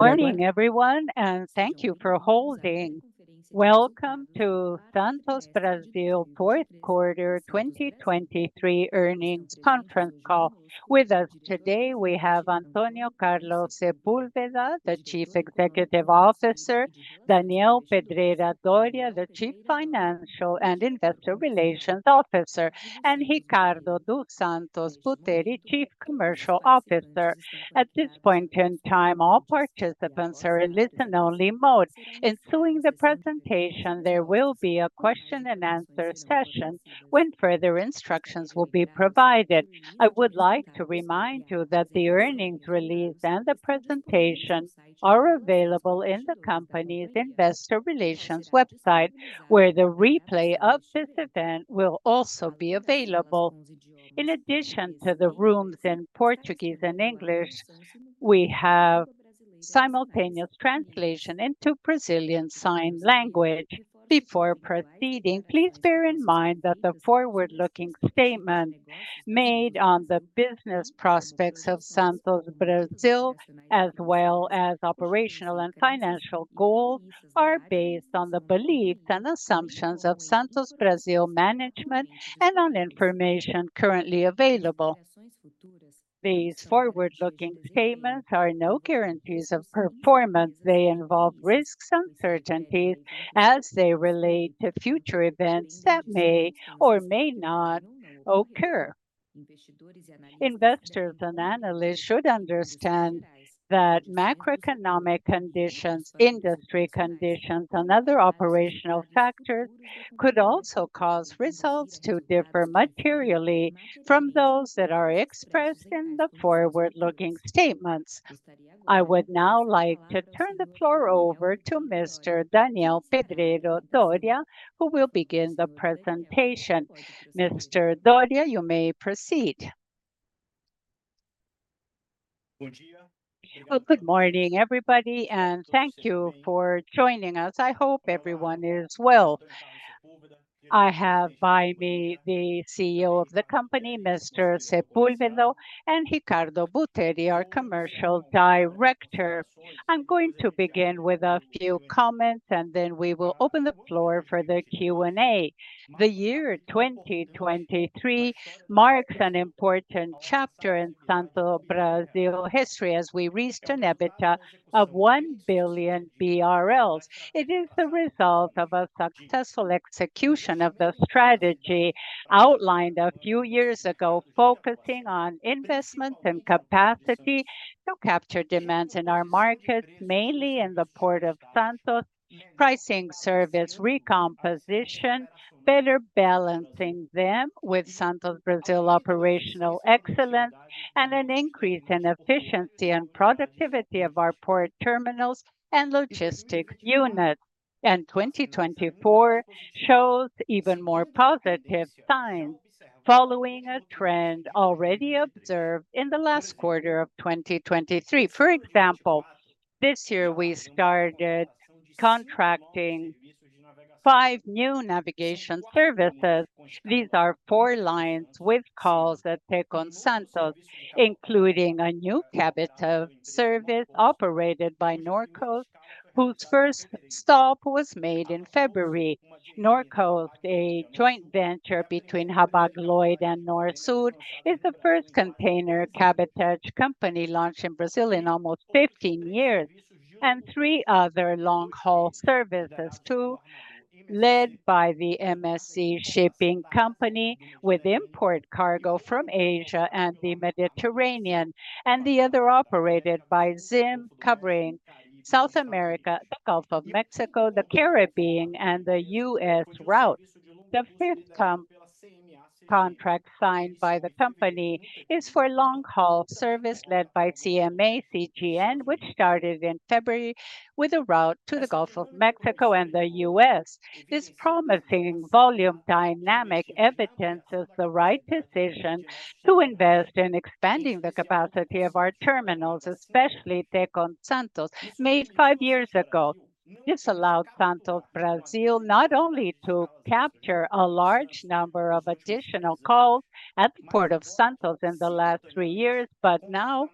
Morning, everyone, and thank you for holding. Welcome to Santos Brasil Fourth Quarter 2023 Earnings Conference Call. With us today we have Antônio Carlos Sepúlveda, the Chief Executive Officer; Daniel Pedreira Dórea, the Chief Financial Officer and Investor Relations Officer; and Ricardo dos Santos Buteri, Chief Commercial Officer. At this point in time, all participants are in listen-only mode. Following the presentation, there will be a question-and-answer session when further instructions will be provided. I would like to remind you that the earnings release and the presentation are available in the company's Investor Relations website, where the replay of this event will also be available. In addition to the audio in Portuguese and English, we have simultaneous translation into Brazilian Sign Language. Before proceeding, please bear in mind that the forward-looking statements made on the business prospects of Santos Brasil, as well as operational and financial goals, are based on the beliefs and assumptions of Santos Brasil management and on information currently available. These forward-looking statements are no guarantees of performance; they involve risks and uncertainties as they relate to future events that may or may not occur. Investors and analysts should understand that macroeconomic conditions, industry conditions, and other operational factors could also cause results to differ materially from those that are expressed in the forward-looking statements. I would now like to turn the floor over to Mr. Daniel Pedreira Dorea, who will begin the presentation. Mr. Dorea, you may proceed. Bom dia. Good morning, everybody, and thank you for joining us. I hope everyone is well. I have by me the CEO of the company, Mr. Sepúlveda, and Ricardo Buteri, our Commercial Director. I'm going to begin with a few comments, and then we will open the floor for the Q&A. The year 2023 marks an important chapter in Santos Brasil's history as we reached an EBITDA of 1 billion BRL. It is the result of a successful execution of the strategy outlined a few years ago, focusing on investments and capacity to capture demands in our markets, mainly in the Port of Santos, pricing service recomposition, better balancing them with Santos Brasil operational excellence, and an increase in efficiency and productivity of our port terminals and logistics units. 2024 shows even more positive signs, following a trend already observed in the last quarter of 2023. For example, this year we started contracting five new navigation services. These are four lines with calls at Tecon Santos, including a new cabotage service operated by Norcoast, whose first stop was made in February. Norcoast, a joint venture between Hapag-Lloyd and Norsul, is the first container cabotage company launched in Brazil in almost 15 years, and three other long-haul services, too, led by the MSC Shipping Company with import cargo from Asia and the Mediterranean, and the other operated by ZIM, covering South America, the Gulf of Mexico, the Caribbean, and the U.S. route. The fifth contract signed by the company is for long-haul service led by CMA CGM, which started in February with a route to the Gulf of Mexico and the U.S. This promising volume dynamic evidences the right decision to invest in expanding the capacity of our terminals, especially Tecon Santos, made five years ago. This allowed Santos Brasil not only to capture a large number of additional calls at the Port of Santos in the last three years, but now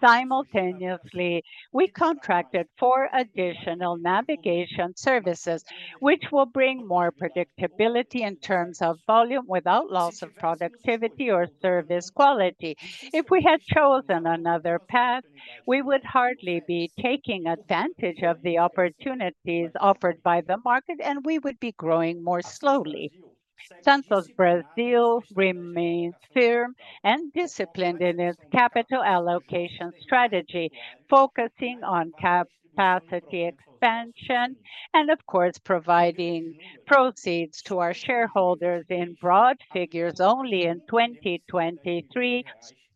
simultaneously we contracted 4 additional navigation services, which will bring more predictability in terms of volume without loss of productivity or service quality. If we had chosen another path, we would hardly be taking advantage of the opportunities offered by the market, and we would be growing more slowly. Santos Brasil remains firm and disciplined in its capital allocation strategy, focusing on capacity expansion and, of course, providing proceeds to our shareholders in broad figures. Only in 2023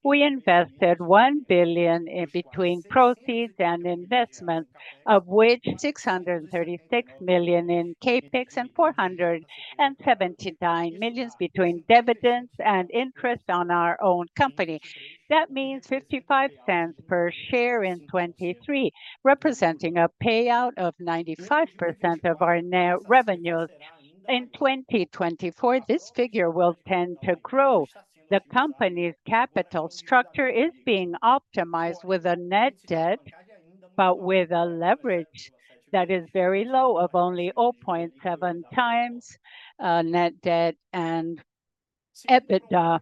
we invested 1 billion in between proceeds and investments, of which 636 million in CapEx and 479 million between dividends and interest on our own company. That means $0.55 per share in 2023, representing a payout of 95% of our net revenues. In 2024, this figure will tend to grow. The company's capital structure is being optimized with a net debt, but with a leverage that is very low, of only 0.7 times net debt and EBITDA.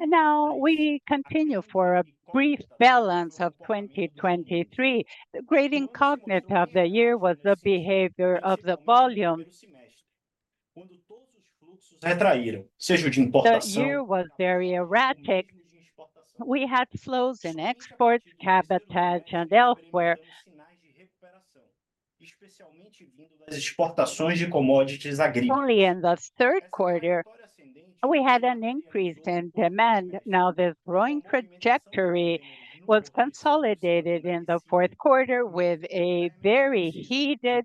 Now we continue for a brief balance of 2023. The great incognita of the year was the behavior of the volumes. The year was very erratic. We had flows in exports, cabotage, and elsewhere. Only in the third quarter we had an increase in demand. Now this growing trajectory was consolidated in the fourth quarter with a very heated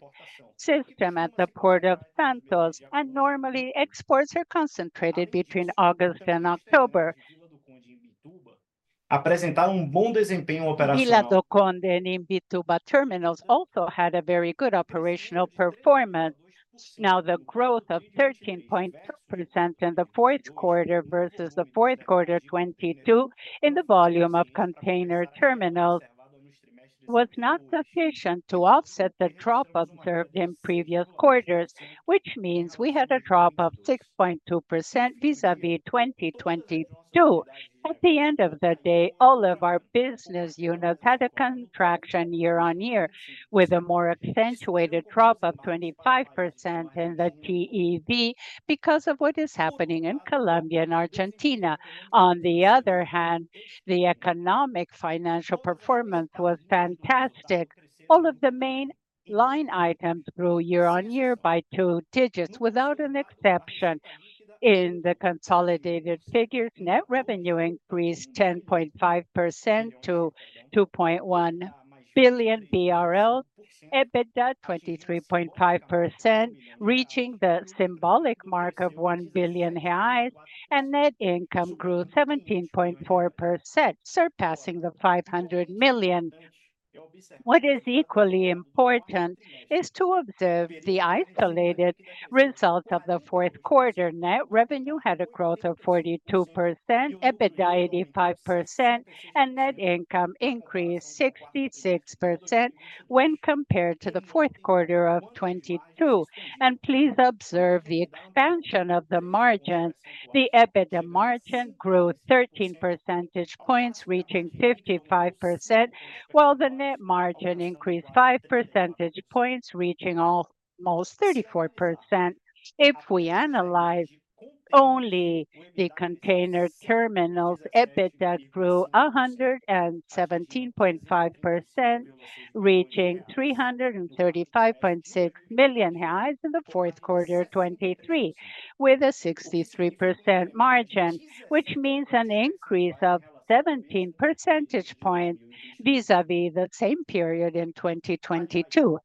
system at the Port of Santos, and normally exports are concentrated between August and October. The terminals also had a very good operational performance. Now the growth of 13.2% in the fourth quarter versus the fourth quarter 2022 in the volume of container terminals was not sufficient to offset the drop observed in previous quarters, which means we had a drop of 6.2% vis-à-vis 2022. At the end of the day, all of our business units had a contraction year-on-year, with a more accentuated drop of 25% in the TEV because of what is happening in Colombia and Argentina. On the other hand, the economic financial performance was fantastic. All of the main line items grew year-on-year by two digits, without an exception. In the consolidated figures, net revenue increased 10.5% to 2.1 billion BRL, EBITDA 23.5%, reaching the symbolic mark of 1 billion reais, and net income grew 17.4%, surpassing the 500 million. What is equally important is to observe the isolated results of the fourth quarter. Net revenue had a growth of 42%, EBITDA 85%, and net income increased 66% when compared to the fourth quarter of 2022. Please observe the expansion of the margins. The EBITDA margin grew 13 percentage points, reaching 55%, while the net margin increased 5 percentage points, reaching almost 34%. If we analyze only the container terminals, EBITDA grew 117.5%, reaching 335.6 million in the fourth quarter 2023, with a 63% margin, which means an increase of 17 percentage points vis-à-vis the same period in 2022.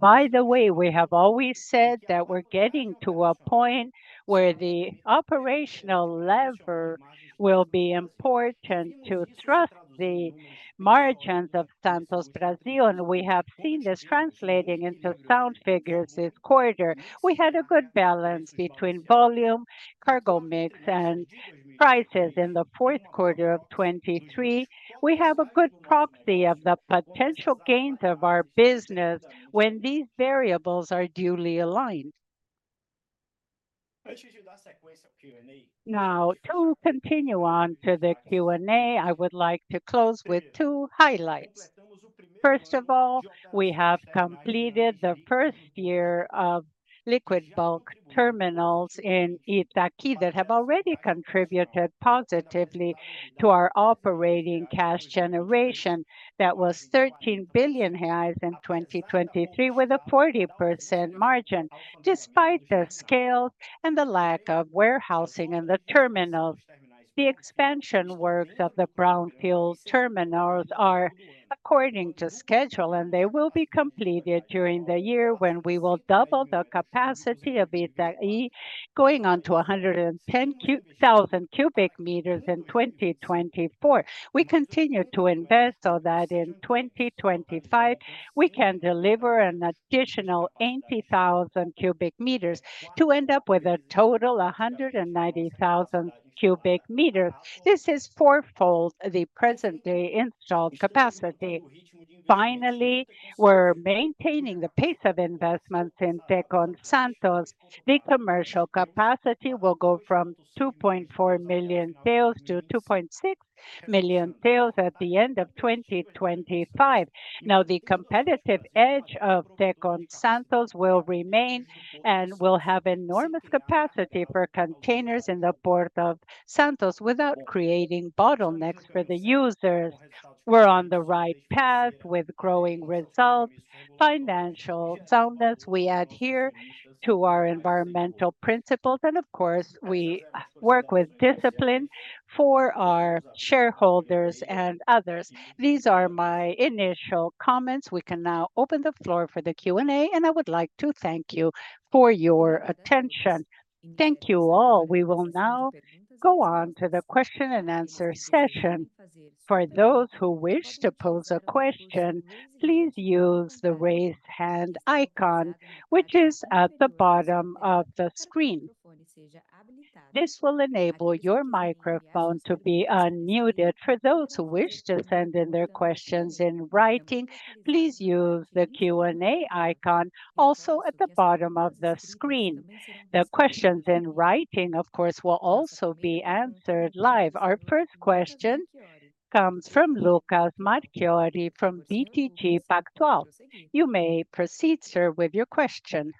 By the way, we have always said that we're getting to a point where the operational lever will be important to thrust the margins of Santos Brasil, and we have seen this translating into sound figures this quarter. We had a good balance between volume, cargo mix, and prices in the fourth quarter of 2023. We have a good proxy of the potential gains of our business when these variables are duly aligned. Now, to continue on to the Q&A, I would like to close with two highlights. First of all, we have completed the first year of liquid bulk terminals in Itaqui that have already contributed positively to our operating cash generation. That was 13 million reais in 2023, with a 40% margin, despite the scale and the lack of warehousing in the terminals. The expansion works of the brownfield terminals are according to schedule, and they will be completed during the year when we will double the capacity of Itaqui, going on to 110,000 cubic meters in 2024. We continue to invest so that in 2025 we can deliver an additional 80,000 cubic meters, to end up with a total of 190,000 cubic meters. This is fourfold the present-day installed capacity. Finally, we're maintaining the pace of investments in Tecon Santos. The commercial capacity will go from 2.4 million TEUs to 2.6 million TEUs at the end of 2025. Now, the competitive edge of Tecon Santos will remain, and we'll have enormous capacity for containers in the Port of Santos without creating bottlenecks for the users. We're on the right path with growing results, financial soundness we adhere to, our environmental principles, and of course we work with discipline for our shareholders and others. These are my initial comments. We can now open the floor for the Q&A, and I would like to thank you for your attention. Thank you all. We will now go on to the question and answer session. For those who wish to pose a question, please use the raise hand icon, which is at the bottom of the screen. This will enable your microphone to be unmuted. For those who wish to send in their questions in writing, please use the Q&A icon also at the bottom of the screen. The questions in writing, of course, will also be answered live. Our first question comes from Lucas Marquiori from BTG Pactual. You may proceed, sir, with your question.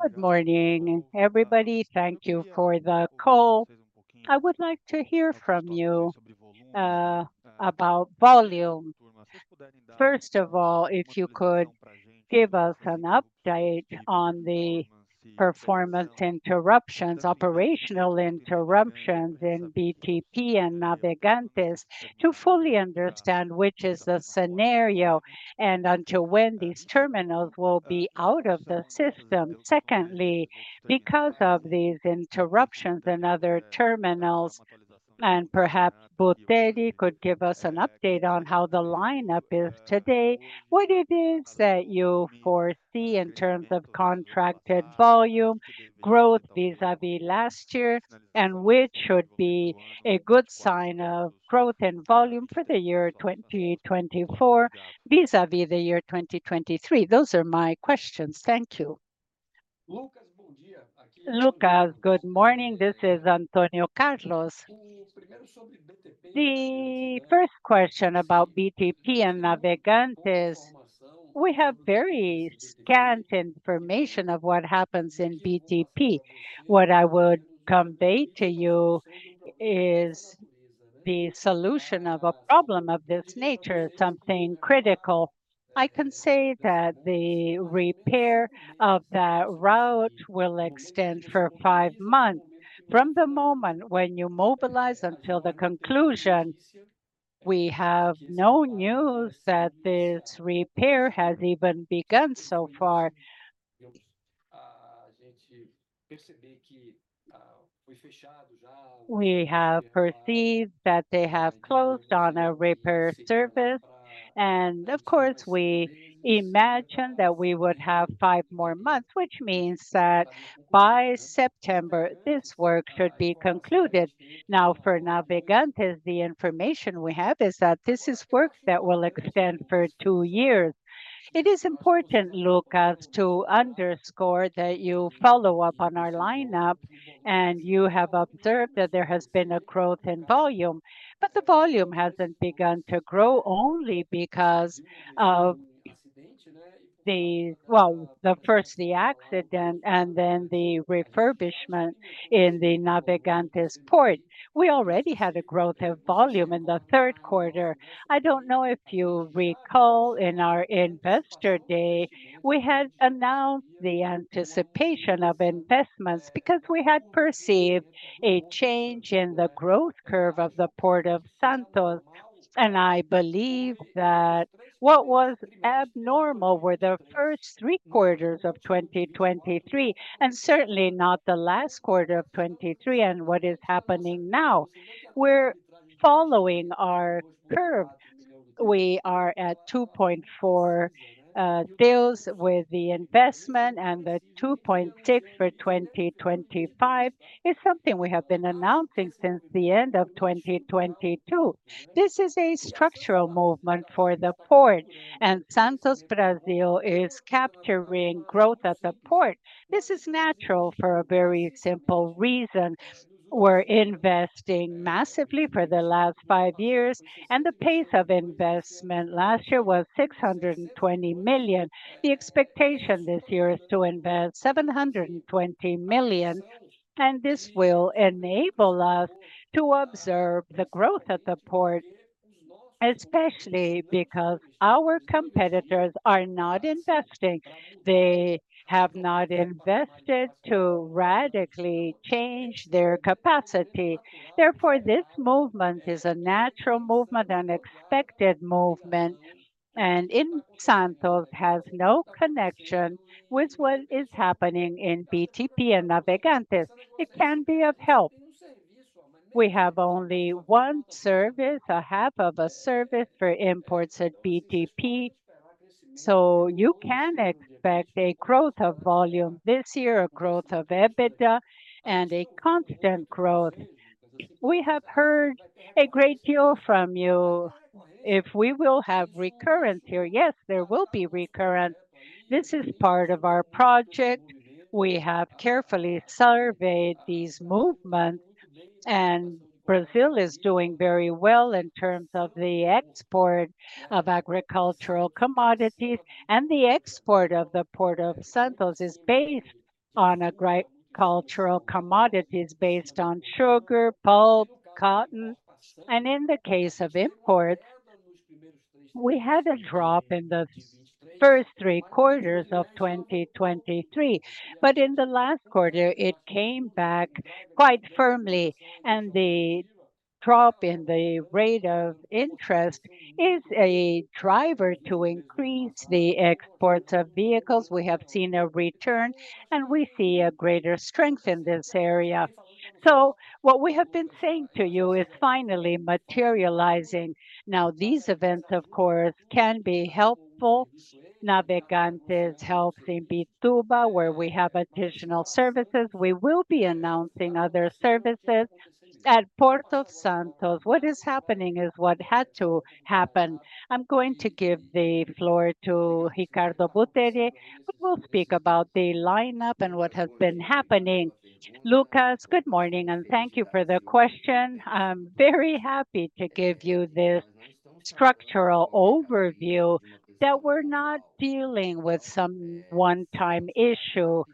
Good morning, everybody. Thank you for the call. I would like to hear from you about volume. First of all, if you could give us an update on the operational interruptions in BTP and Navegantes, to fully understand which is the scenario and until when these terminals will be out of the system. Secondly, because of these interruptions in other terminals, and perhaps Buteri could give us an update on how the lineup is today, what it is that you foresee in terms of contracted volume growth vis-à-vis last year, and which should be a good sign of growth in volume for the year 2024 vis-à-vis the year 2023. Those are my questions. Thank you. Lucas, good morning. This is Antônio Carlos. The first question about BTP and Navegantes. We have very scant information of what happens in BTP. What I would convey to you is the solution of a problem of this nature, something critical. I can say that the repair of that route will extend for five months. From the moment when you mobilize until the conclusion, we have no news that this repair has even begun so far. We have perceived that they have closed on a repair service, and of course we imagine that we would have 5 more months, which means that by September this work should be concluded. Now, for Navegantes, the information we have is that this is work that will extend for 2 years. It is important, Lucas, to underscore that you follow up on our lineup, and you have observed that there has been a growth in volume, but the volume hasn't begun to grow only because of the, well, first the accident and then the refurbishment in the Navegantes port. We already had a growth of volume in the third quarter. I don't know if you recall, in our investor day, we had announced the anticipation of investments because we had perceived a change in the growth curve of the Port of Santos, and I believe that what was abnormal were the first three quarters of 2023, and certainly not the last quarter of 2023 and what is happening now. We're following our curve. We are at 2.4M TEUs with the investment, and the 2.6M TEUs for 2025 is something we have been announcing since the end of 2022. This is a structural movement for the port, and Santos Brasil is capturing growth at the port. This is natural for a very simple reason. We're investing massively for the last five years, and the pace of investment last year was 620 million. The expectation this year is to invest 720 million, and this will enable us to observe the growth at the port, especially because our competitors are not investing. They have not invested to radically change their capacity. Therefore, this movement is a natural movement, an expected movement, and in Santos has no connection with what is happening in BTP and Navegantes. It can be of help. We have only one service, a half of a service for imports at BTP, so you can expect a growth of volume this year, a growth of EBITDA, and a constant growth. We have heard a great deal from you. If we will have recurrence here, yes, there will be recurrence. This is part of our project. We have carefully surveyed these movements, and Brazil is doing very well in terms of the export of agricultural commodities, and the export of the Port of Santos is based on agricultural commodities based on sugar, pulp, cotton, and in the case of imports, we had a drop in the first three quarters of 2023, but in the last quarter it came back quite firmly, and the drop in the rate of interest is a driver to increase the exports of vehicles. We have seen a return, and we see a greater strength in this area. So what we have been saying to you is finally materializing. Now, these events, of course, can be helpful. Navegantes helps in Imbituba, where we have additional services. We will be announcing other services at Port of Santos. What is happening is what had to happen. I'm going to give the floor to Ricardo Buteri, who will speak about the lineup and what has been happening. Lucas, good morning, and thank you for the question. I'm very happy to give you this structural overview that we're not dealing with some one-time issue.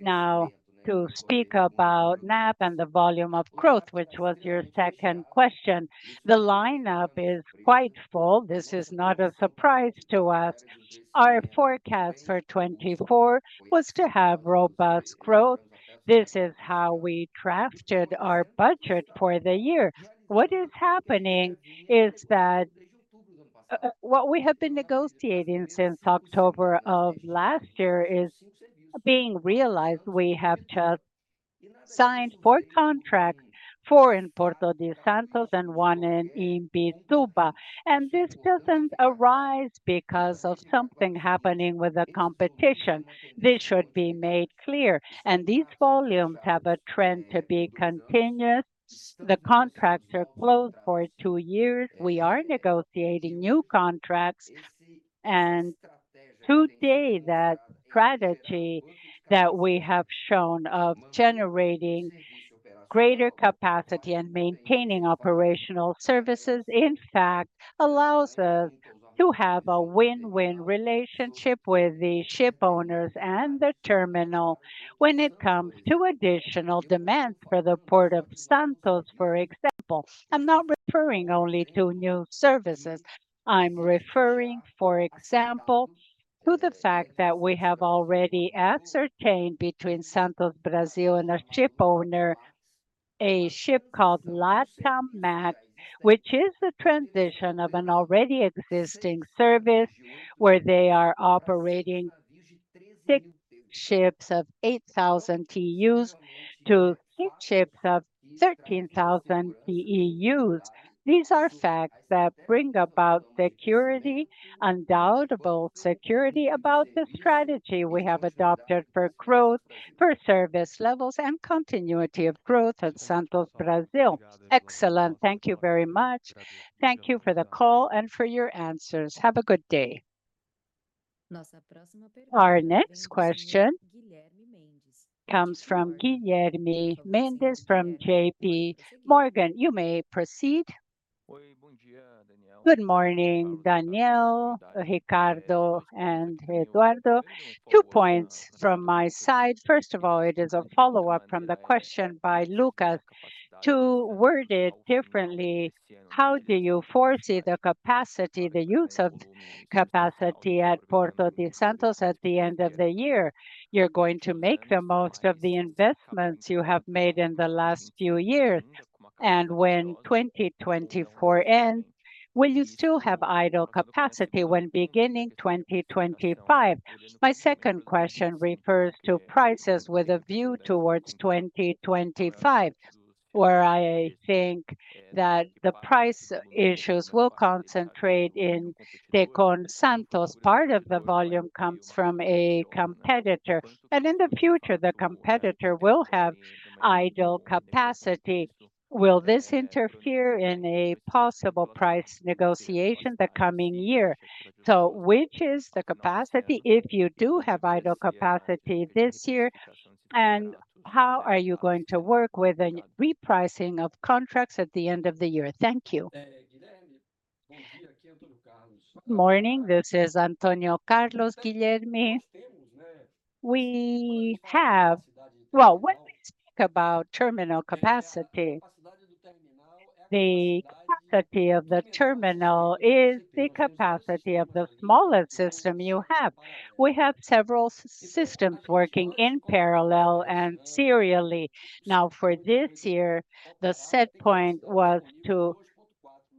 Now, to speak about Navegantes and the volume of growth, which was your second question, the lineup is quite full. This is not a surprise to us. Our forecast for 2024 was to have robust growth. This is how we drafted our budget for the year. What is happening is that what we have been negotiating since October of last year is being realized. We have just signed 4 contracts, 4 in Porto de Santos and 1 in Imbituba, and this doesn't arise because of something happening with the competition. This should be made clear, and these volumes have a trend to be continuous. The contracts are closed for two years. We are negotiating new contracts, and today that strategy that we have shown of generating greater capacity and maintaining operational services, in fact, allows us to have a win-win relationship with the shipowners and the terminal when it comes to additional demands for the Port of Santos, for example. I'm not referring only to new services. I'm referring, for example, to the fact that we have already ascertained between Santos Brasil and a shipowner, a ship called Latam Max, which is the transition of an already existing service where they are operating six ships of 8,000 TEUs to six ships of 13,000 TEUs. These are facts that bring about security, undoubted security about the strategy we have adopted for growth, for service levels, and continuity of growth at Santos Brasil. Excellent. Thank you very much. Thank you for the call and for your answers. Have a good day. Our next question comes from Guilherme Mendes from J.P. Morgan, you may proceed. Good morning, Daniel, Ricardo, and Eduardo. Two points from my side. First of all, it is a follow-up from the question by Lucas to word it differently. How do you foresee the capacity, the use of capacity at Porto de Santos at the end of the year? You're going to make the most of the investments you have made in the last few years, and when 2024 ends, will you still have idle capacity when beginning 2025? My second question refers to prices with a view towards 2025, where I think that the price issues will concentrate in Tecon Santos. Part of the volume comes from a competitor, and in the future the competitor will have idle capacity. Will this interfere in a possible price negotiation the coming year? So which is the capacity if you do have idle capacity this year, and how are you going to work with a repricing of contracts at the end of the year? Thank you. Good morning. This is Antônio Carlos. Guilherme, we have, well, when we speak about terminal capacity, the capacity of the terminal is the capacity of the smallest system you have. We have several systems working in parallel and serially. Now, for this year, the set point was to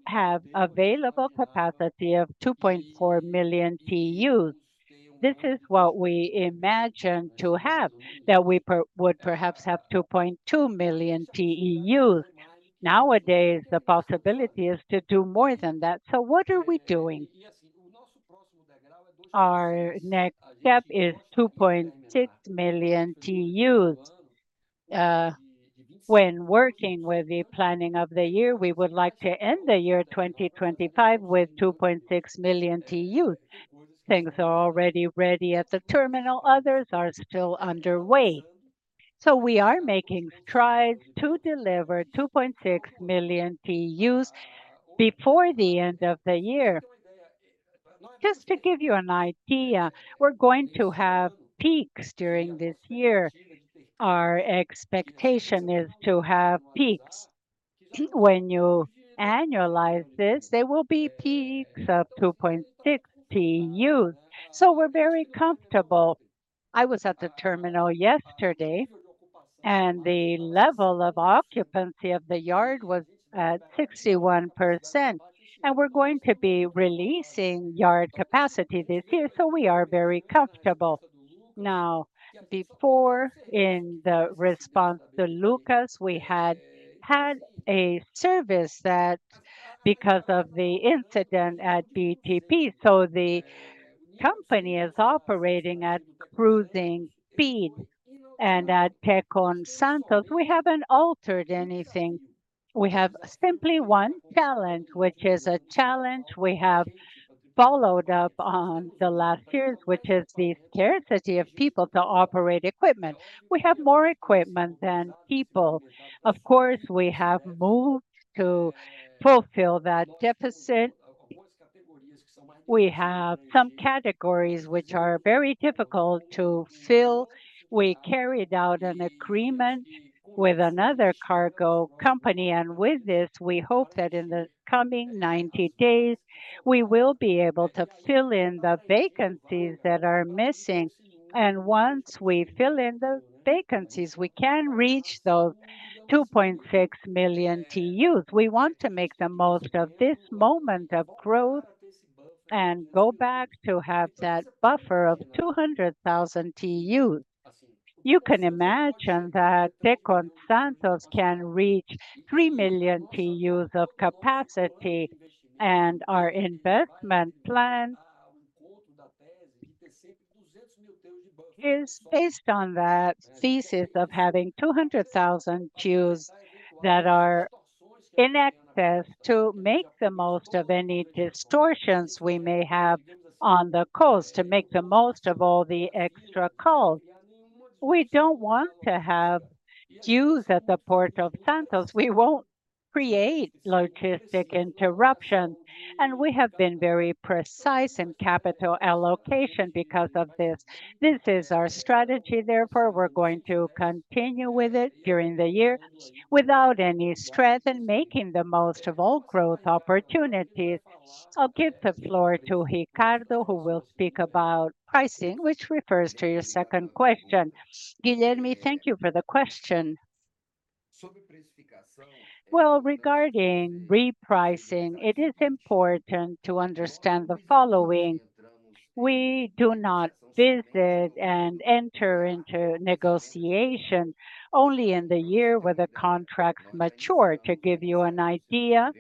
have available capacity of 2.4 million TEUs. This is what we imagined to have, that we would perhaps have 2.2 million TEUs. Nowadays the possibility is to do more than that. So what are we doing? Our next step is 2.6 million TEUs. When working with the planning of the year, we would like to end the year 2025 with 2.6 million TEUs. Things are already ready at the terminal. Others are still underway. So we are making strides to deliver 2.6 million TEUs before the end of the year. Just to give you an idea, we're going to have peaks during this year. Our expectation is to have peaks. When you annualize this, there will be peaks of 2.6 TEUs. So we're very comfortable. I was at the terminal yesterday, and the level of occupancy of the yard was at 61%, and we're going to be releasing yard capacity this year, so we are very comfortable. Now, before, in the response to Lucas, we had had a service that, because of the incident at BTP, so the company is operating at cruising speed, and at Tecon Santos we haven't altered anything. We have simply one challenge, which is a challenge we have followed up on the last years, which is the scarcity of people to operate equipment. We have more equipment than people. Of course, we have moved to fulfill that deficit. We have some categories which are very difficult to fill. We carried out an agreement with another cargo company, and with this we hope that in the coming 90 days we will be able to fill in the vacancies that are missing, and once we fill in the vacancies we can reach those 2.6 million TEUs. We want to make the most of this moment of growth and go back to have that buffer of 200,000 TEUs. You can imagine that Tecon Santos can reach 3 million TEUs of capacity, and our investment plan is based on that thesis of having 200,000 TEUs that are in excess to make the most of any distortions we may have on the coast, to make the most of all the extra calls. We don't want to have queues at the Port of Santos. We won't create logistic interruptions, and we have been very precise in capital allocation because of this. This is our strategy. Therefore, we're going to continue with it during the year without any stretch and making the most of all growth opportunities. I'll give the floor to Ricardo, who will speak about pricing, which refers to your second question. Guilherme, thank you for the question. Well, regarding repricing, it is important to understand the following. We do not visit and enter into negotiations only in the year where the contracts mature. To give you an idea,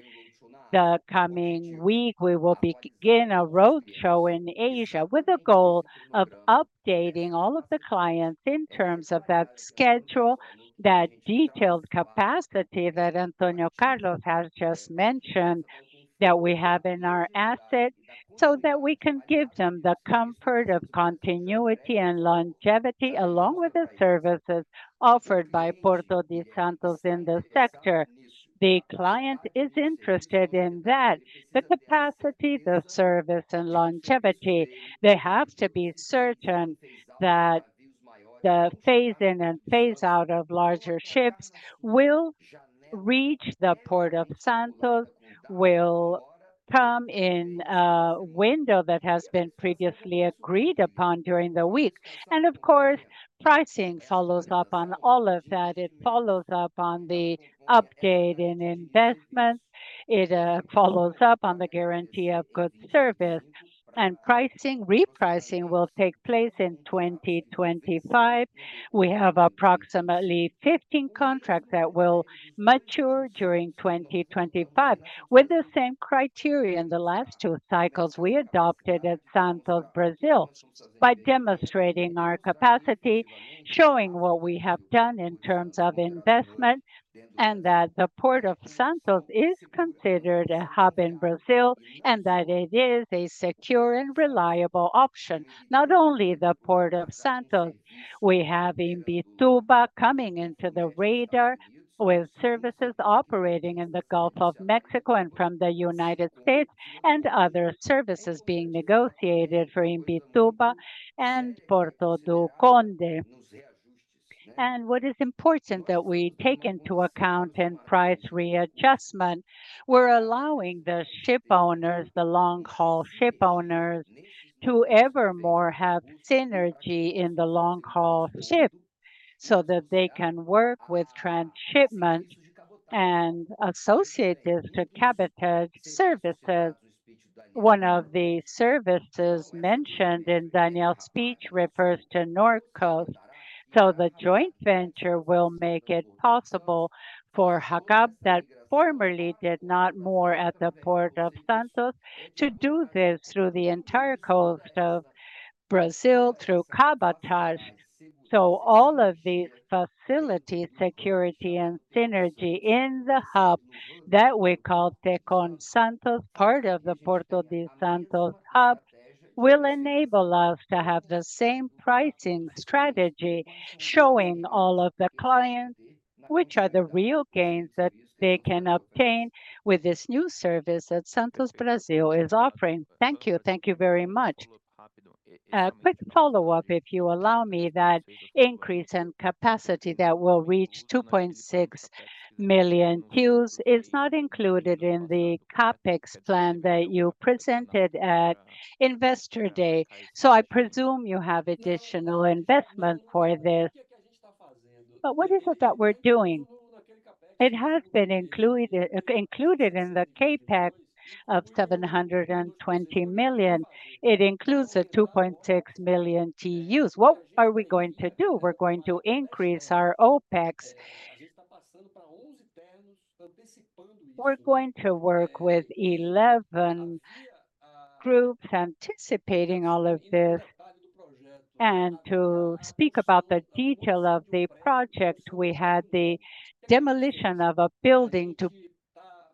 the coming week we will begin a roadshow in Asia with the goal of updating all of the clients in terms of that schedule, that detailed capacity that Antônio Carlos has just mentioned that we have in our asset, so that we can give them the comfort of continuity and longevity along with the services offered by the Port of Santos in the sector. The client is interested in that, the capacity, the service, and longevity. They have to be certain that the phase-in and phase-out of larger ships will reach the Port of Santos, will come in a window that has been previously agreed upon during the week. And of course, pricing follows up on all of that. It follows up on the update in investments. It follows up on the guarantee of good service, and pricing, repricing will take place in 2025. We have approximately 15 contracts that will mature during 2025 with the same criteria in the last two cycles we adopted at Santos Brasil by demonstrating our capacity, showing what we have done in terms of investment, and that the Port of Santos is considered a hub in Brazil and that it is a secure and reliable option. Not only the Port of Santos, we have in Imbituba coming into the radar with services operating in the Gulf of Mexico and from the United States, and other services being negotiated for in Imbituba and Vila do Conde. What is important that we take into account in price readjustment, we're allowing the shipowners, the long-haul shipowners, to evermore have synergy in the long-haul ships so that they can work with transshipment and associated to cabotage services. One of the services mentioned in Daniel's speech refers to Norcoast, so the joint venture will make it possible for Hapag-Lloyd, that formerly did not moor at the Port of Santos, to do this through the entire coast of Brazil, through cabotage. All of these facilities, security, and synergy in the hub that we call Tecon Santos, part of the Port of Santos hub, will enable us to have the same pricing strategy showing all of the clients, which are the real gains that they can obtain with this new service that Santos Brasil is offering. Thank you. Thank you very much. A quick follow-up, if you allow me, that increase in capacity that will reach 2.6 million TEUs is not included in the CapEx plan that you presented at Investor Day, so I presume you have additional investment for this. But what is it that we're doing? It has been included in the CapEx of 720 million. It includes the 2.6 million TEUs. What are we going to do? We're going to increase our OpEx. We're going to work with 11 groups anticipating all of this and to speak about the detail of the project. We had the demolition of a building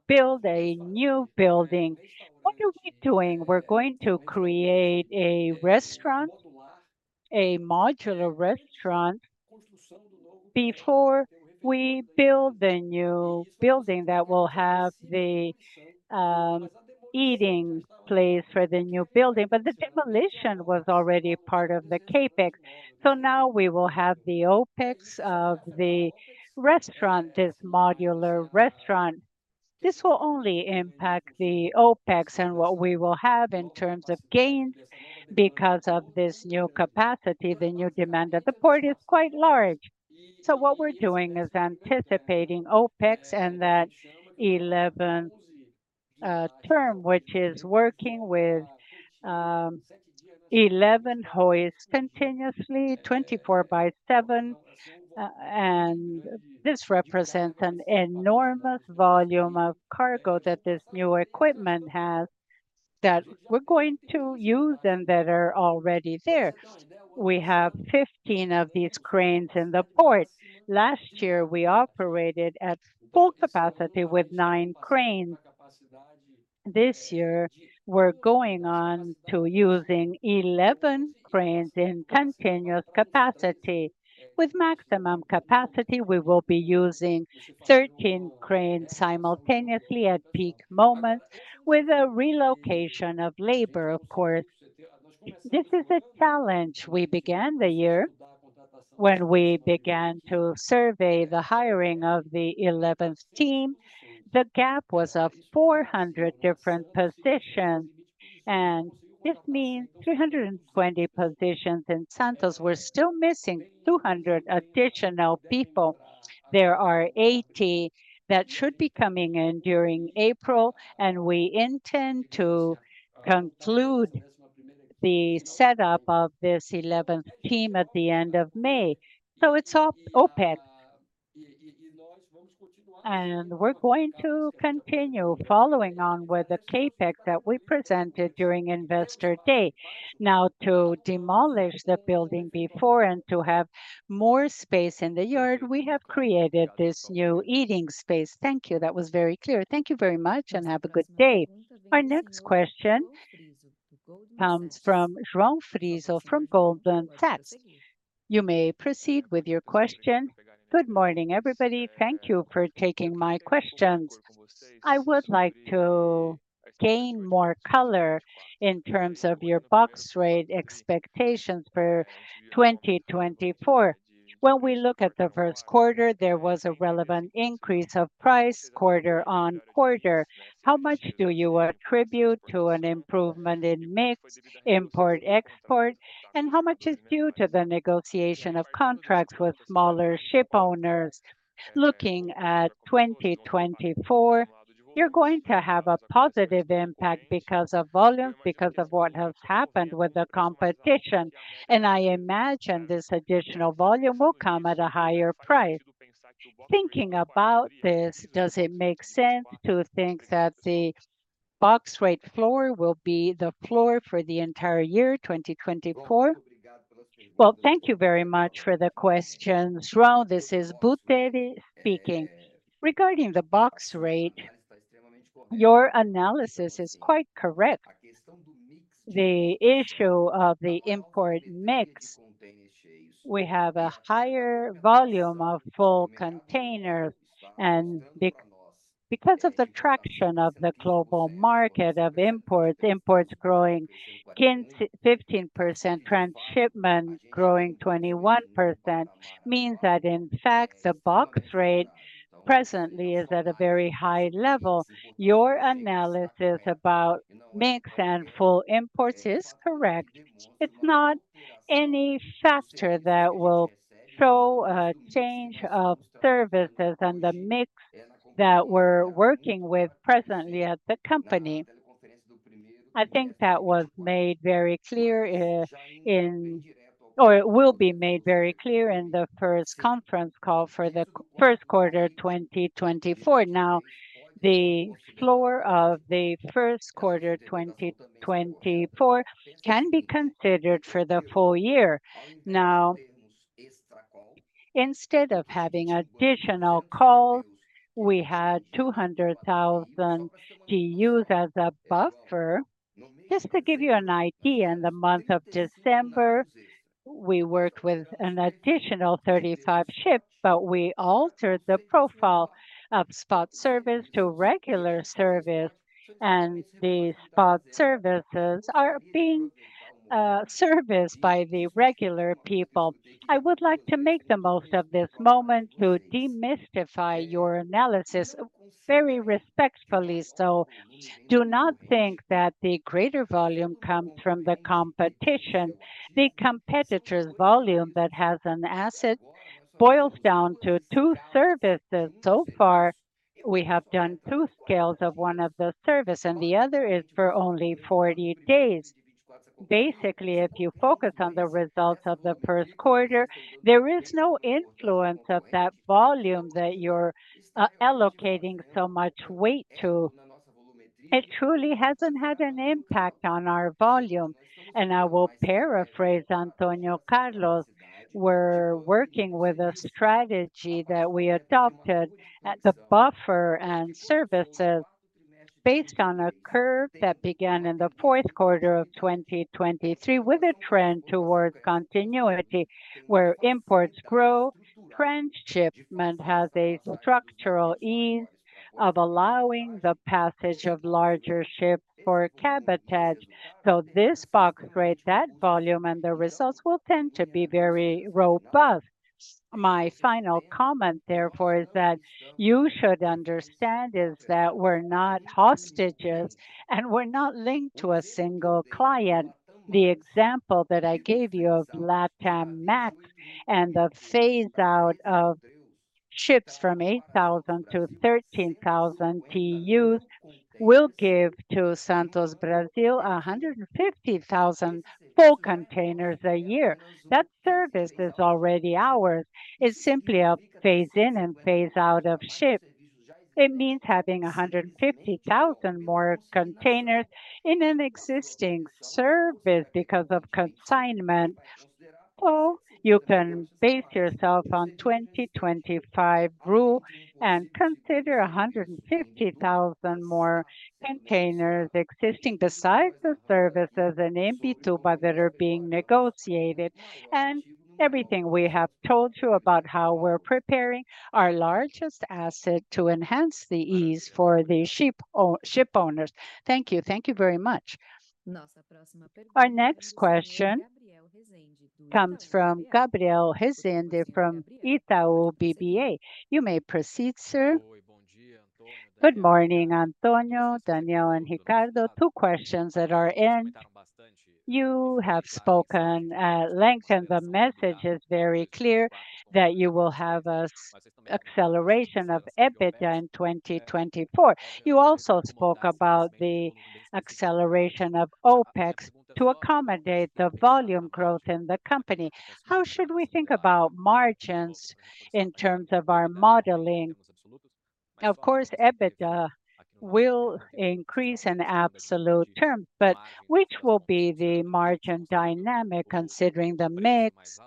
to build a new building. What are we doing? We're going to create a restaurant, a modular restaurant, before we build the new building that will have the eating place for the new building. But the demolition was already part of the CapEx, so now we will have the OpEx of the restaurant, this modular restaurant. This will only impact the OpEx and what we will have in terms of gains because of this new capacity. The new demand at the port is quite large. So what we're doing is anticipating OpEx and that 11th team, which is working with 11 hoists continuously, 24/7, and this represents an enormous volume of cargo that this new equipment has that we're going to use and that are already there. We have 15 of these cranes in the port. Last year we operated at full capacity with 9 cranes. This year we're going on to be using 11 cranes in continuous capacity. With maximum capacity we will be using 13 cranes simultaneously at peak moments with a relocation of labor, of course. This is a challenge. We began the year when we began to survey the hiring of the 11th team. The gap was of 400 different positions, and this means 320 positions in Santos were still missing 200 additional people. There are 80 that should be coming in during April, and we intend to conclude the setup of this 11th team at the end of May. So it's all OpEx, and we're going to continue following on with the CapEx that we presented during Investor Day. Now, to demolish the building before and to have more space in the yard, we have created this new eating space. Thank you. That was very clear. Thank you very much, and have a good day. Our next question comes from João Frizo, from Goldman Sachs. You may proceed with your question. Good morning, everybody. Thank you for taking my questions. I would like to gain more color in terms of your box rate expectations for 2024. When we look at the first quarter, there was a relevant increase of price quarter-on-quarter. How much do you attribute to an improvement in mix, import, export, and how much is due to the negotiation of contracts with smaller shipowners? Looking at 2024, you're going to have a positive impact because of volumes, because of what has happened with the competition, and I imagine this additional volume will come at a higher price. Thinking about this, does it make sense to think that the box rate floor will be the floor for the entire year 2024? Well, thank you very much for the questions. João, this is Buteri speaking. Regarding the box rate, your analysis is quite correct. The issue of the import mix, we have a higher volume of full containers, and because of the traction of the global market of imports, imports growing 15%, transshipment growing 21%, means that in fact the box rate presently is at a very high level. Your analysis about mix and full imports is correct. It's not any factor that will show a change of services and the mix that we're working with presently at the company. I think that was made very clear in, or it will be made very clear in the first conference call for the first quarter 2024. Now, the floor of the first quarter 2024 can be considered for the full year. Now, instead of having additional calls, we had 200,000 TEUs as a buffer. Just to give you an idea, in the month of December we worked with an additional 35 ships, but we altered the profile of spot service to regular service, and the spot services are being serviced by the regular people. I would like to make the most of this moment to demystify your analysis very respectfully. So do not think that the greater volume comes from the competition. The competitor's volume that has an asset boils down to two services. So far we have done two scales of one of the services, and the other is for only 40 days. Basically, if you focus on the results of the first quarter, there is no influence of that volume that you're allocating so much weight to. It truly hasn't had an impact on our volume. And I will paraphrase Antônio Carlos. We're working with a strategy that we adopted at the buffer and services based on a curve that began in the fourth quarter of 2023 with a trend towards continuity where imports grow, transshipment has a structural ease of allowing the passage of larger ships for cabotage. So this box rate, that volume, and the results will tend to be very robust. My final comment, therefore, is that you should understand is that we're not hostages and we're not linked to a single client. The example that I gave you of Latam Max and the phase-out of ships from 8,000-13,000 TEUs will give to Santos Brasil 150,000 full containers a year. That service is already ours. It's simply a phase-in and phase-out of ships. It means having 150,000 more containers in an existing service because of consignment. Or you can base yourself on 2025 rule and consider 150,000 more containers existing besides the services in Imbituba that are being negotiated. And everything we have told you about how we're preparing our largest asset to enhance the ease for the shipowners. Thank you. Thank you very much. Our next question comes from Gabriel Rezende from Itaú BBA. You may proceed, sir. Good morning, Antônio, Daniel, and Ricardo. Two questions that are in. You have spoken at length, and the message is very clear that you will have an acceleration of EBITDA in 2024. You also spoke about the acceleration of Opex to accommodate the volume growth in the company. How should we think about margins in terms of our modeling? Of course, EBITDA will increase in absolute terms, but which will be the margin dynamic considering the mix,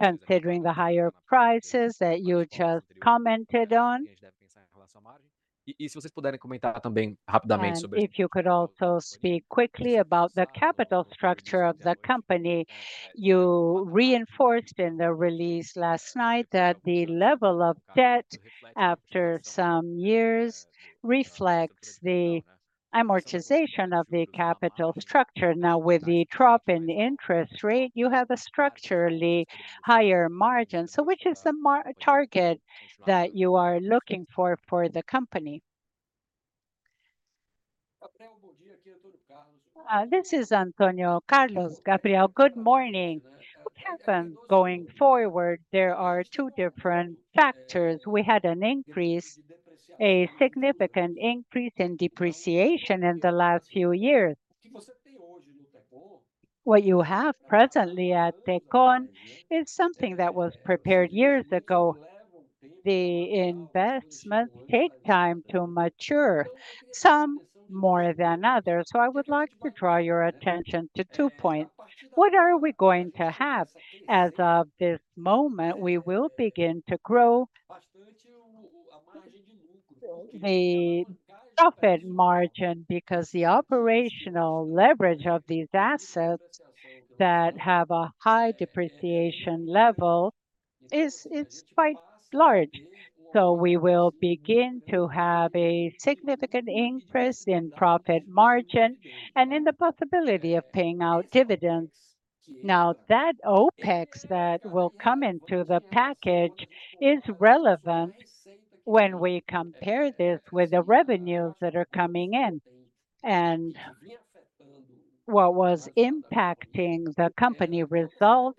considering the higher prices that you just commented on? If you could also speak quickly about the capital structure of the company. You reinforced in the release last night that the level of debt after some years reflects the amortization of the capital structure. Now, with the drop in interest rate, you have a structurally higher margin. So which is the target that you are looking for for the company? This is Antônio Carlos. Gabriel, good morning. What happened going forward? There are two different factors. We had an increase, a significant increase in depreciation in the last few years. What you have presently at Tecon is something that was prepared years ago. The investments take time to mature, some more than others. So I would like to draw your attention to two points. What are we going to have? As of this moment, we will begin to grow the profit margin because the operational leverage of these assets that have a high depreciation level is quite large. So we will begin to have a significant increase in profit margin and in the possibility of paying out dividends. Now, that Opex that will come into the package is relevant when we compare this with the revenues that are coming in. And what was impacting the company result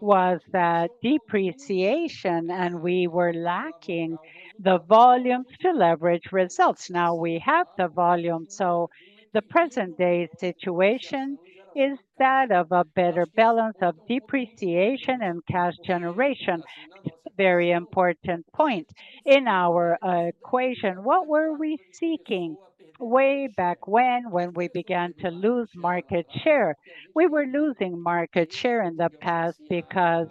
was that depreciation, and we were lacking the volumes to leverage results. Now we have the volumes. So the present-day situation is that of a better balance of depreciation and cash generation. Very important point in our equation. What were we seeking way back when? When we began to lose market share, we were losing market share in the past because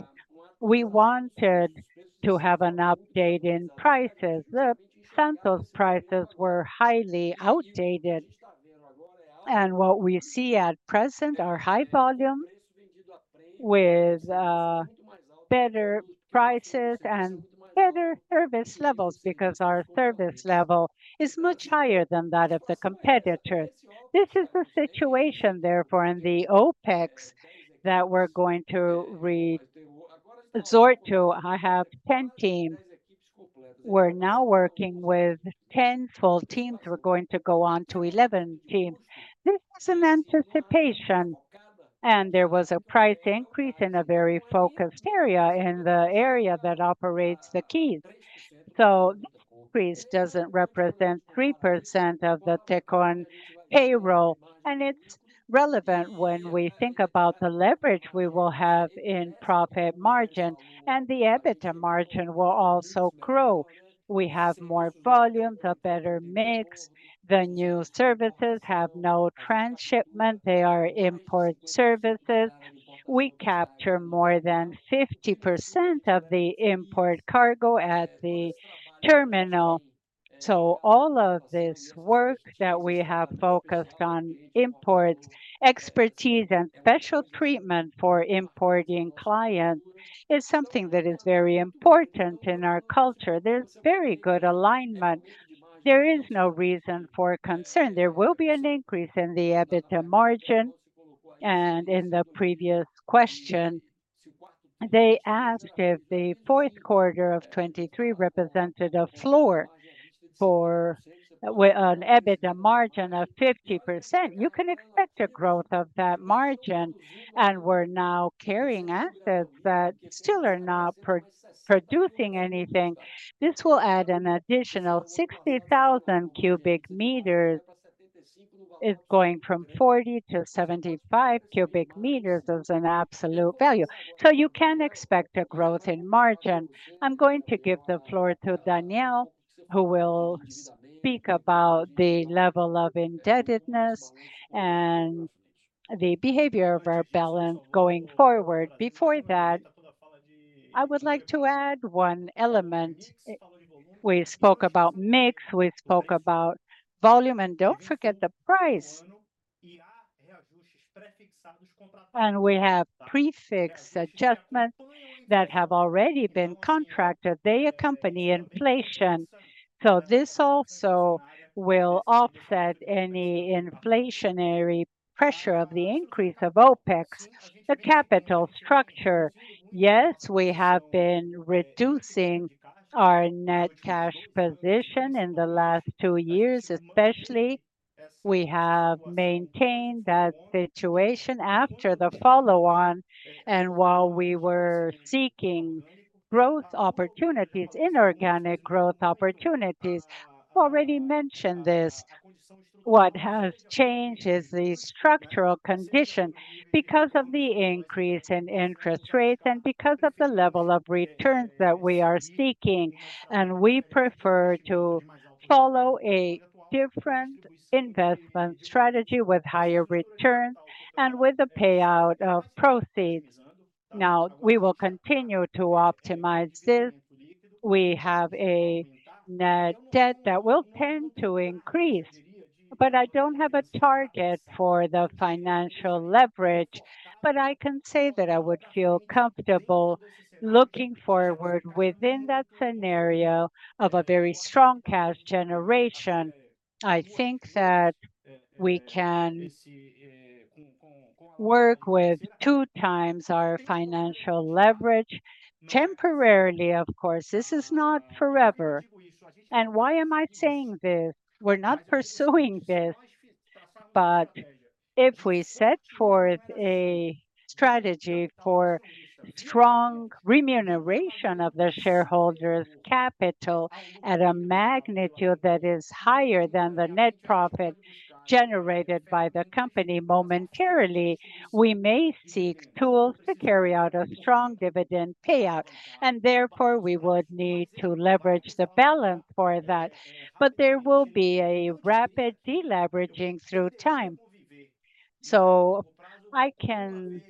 we wanted to have an update in prices. The Santos prices were highly outdated, and what we see at present are high volumes with better prices and better service levels because our service level is much higher than that of the competitors. This is the situation, therefore, in the Opex that we're going to resort to. I have 10 teams. We're now working with 10 full teams. We're going to go on to 11 teams. This is an anticipation, and there was a price increase in a very focused area in the area that operates the quays. So this increase doesn't represent 3% of the Tecon payroll, and it's relevant when we think about the leverage we will have in profit margin, and the EBITDA margin will also grow. We have more volumes, a better mix. The new services have no transshipment. They are import services. We capture more than 50% of the import cargo at the terminal. So all of this work that we have focused on imports, expertise, and special treatment for importing clients is something that is very important in our culture. There's very good alignment. There is no reason for concern. There will be an increase in the EBITDA margin. And in the previous question, they asked if the fourth quarter of 2023 represented a floor for an EBITDA margin of 50%. You can expect a growth of that margin. And we're now carrying assets that still are not producing anything. This will add an additional 60,000 cubic meters. It's going from 40 to 75 cubic meters as an absolute value. So you can expect a growth in margin. I'm going to give the floor to Daniel, who will speak about the level of indebtedness and the behavior of our balance going forward. Before that, I would like to add one element. We spoke about mix. We spoke about volume. And don't forget the price. And we have price adjustments that have already been contracted. They accompany inflation. So this also will offset any inflationary pressure of the increase of OpEx, the capital structure. Yes, we have been reducing our net cash position in the last two years, especially. We have maintained that situation after the follow-on. And while we were seeking growth opportunities, inorganic growth opportunities, I already mentioned this. What has changed is the structural condition because of the increase in interest rates and because of the level of returns that we are seeking. And we prefer to follow a different investment strategy with higher returns and with the payout of proceeds. Now, we will continue to optimize this. We have a net debt that will tend to increase, but I don't have a target for the financial leverage. But I can say that I would feel comfortable looking forward within that scenario of a very strong cash generation. I think that we can work with 2x our financial leverage temporarily. Of course, this is not forever. And why am I saying this? We're not pursuing this. But if we set forth a strategy for strong remuneration of the shareholders' capital at a magnitude that is higher than the net profit generated by the company momentarily, we may seek tools to carry out a strong dividend payout. And therefore, we would need to leverage the balance for that. But there will be a rapid deleveraging through time. So I can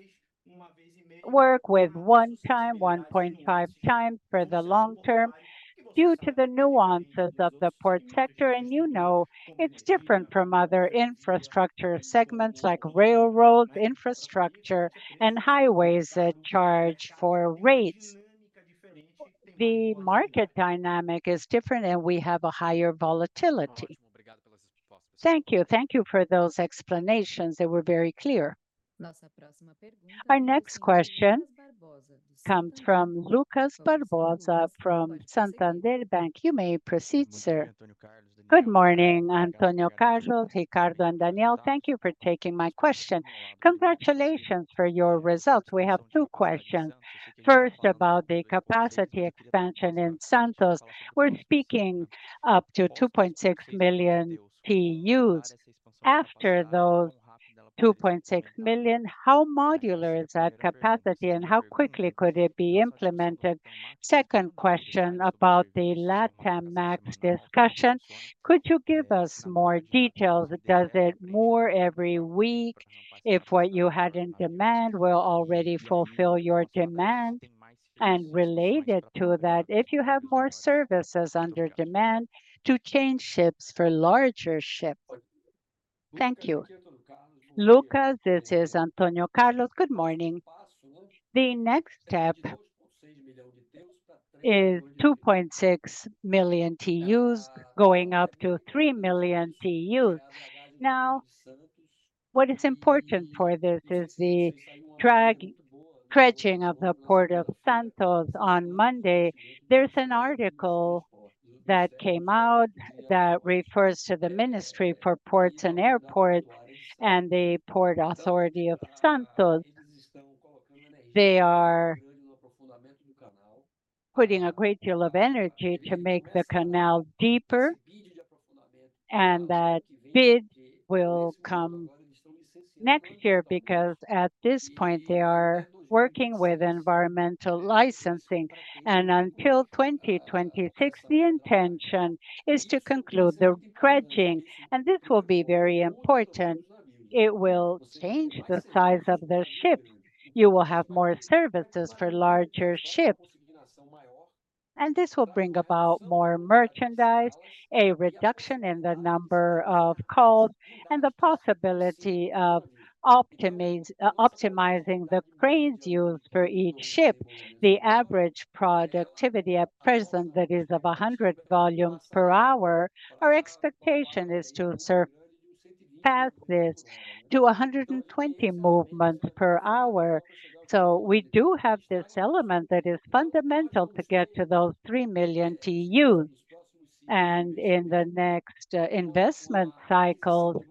work with 1x, 1.5x for the long term due to the nuances of the port sector. And you know it's different from other infrastructure segments like railroads, infrastructure, and highways that charge for rates. The market dynamic is different, and we have a higher volatility. Thank you. Thank you for those explanations. They were very clear. Our next question comes from Lucas Barbosa from Santander. You may proceed, sir. Good morning, Antônio Carlos, Ricardo, and Daniel. Thank you for taking my question. Congratulations for your results. We have two questions. First, about the capacity expansion in Santos. We're speaking up to 2.6 million TEUs. After those 2.6 million, how modular is that capacity, and how quickly could it be implemented? Second question about the Latam Max discussion. Could you give us more details? Does it more every week if what you had in demand will already fulfill your demand? And related to that, if you have more services under demand to change ships for larger ships. Thank you. Lucas, this is Antônio Carlos. Good morning. The next step is 2.6 million TEUs going up to 3 million TEUs. Now, what is important for this is the stretching of the Port of Santos. On Monday, there's an article that came out that refers to the Ministry for Ports and Airports and the Port Authority of Santos. They are putting a great deal of energy to make the canal deeper, and that bid will come next year because at this point they are working with environmental licensing. Until 2026, the intention is to conclude the stretching. This will be very important. It will change the size of the ships. You will have more services for larger ships, and this will bring about more merchandise, a reduction in the number of calls, and the possibility of optimizing the cranes used for each ship. The average productivity at present that is of 100 volumes per hour. Our expectation is to surpass this to 120 movements per hour. So we do have this element that is fundamental to get to those 3 million TEUs. And in the next investment cycles,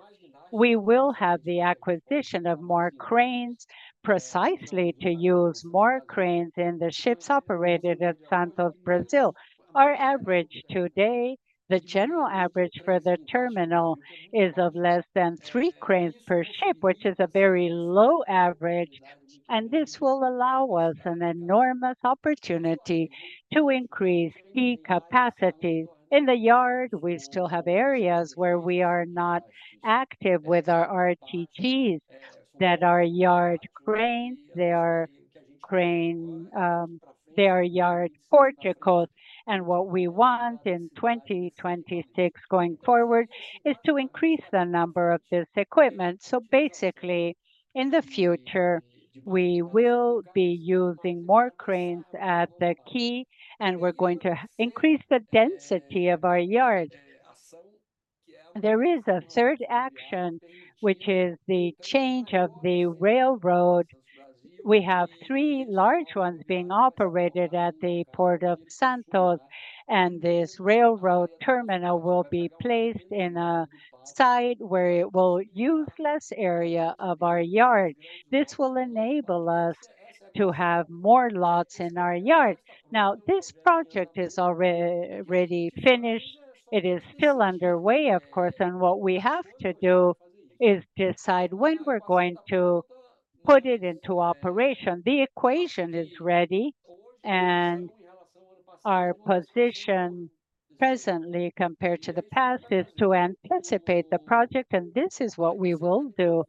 we will have the acquisition of more cranes, precisely to use more cranes in the ships operated at Santos Brasil. Our average today, the general average for the terminal, is of less than three cranes per ship, which is a very low average. And this will allow us an enormous opportunity to increase key capacities. In the yard, we still have areas where we are not active with our RTGs. That are yard cranes. They are crane yard porticos. And what we want in 2026 going forward is to increase the number of this equipment. So basically, in the future, we will be using more cranes at the quay, and we're going to increase the density of our yard. There is a third action, which is the change of the railroad. We have three large ones being operated at the Port of Santos, and this railroad terminal will be placed in a site where it will use less area of our yard. This will enable us to have more lots in our yard. Now, this project is already finished. It is still underway, of course. And what we have to do is decide when we're going to put it into operation. The equation is ready, and our position presently compared to the past is to anticipate the project. And this is what we will do.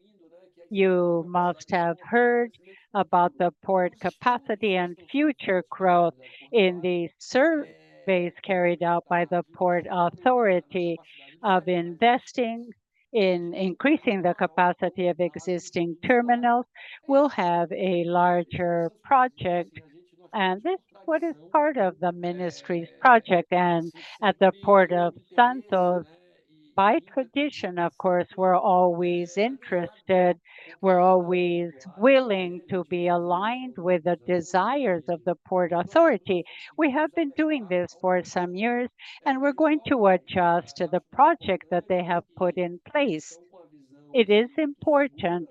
You must have heard about the port capacity and future growth in the surveys carried out by the Port Authority of investing in increasing the capacity of existing terminals. We'll have a larger project. This is what is part of the Ministry's project. At the Port of Santos, by tradition, of course, we're always interested. We're always willing to be aligned with the desires of the Port Authority. We have been doing this for some years, and we're going to adjust to the project that they have put in place. It is important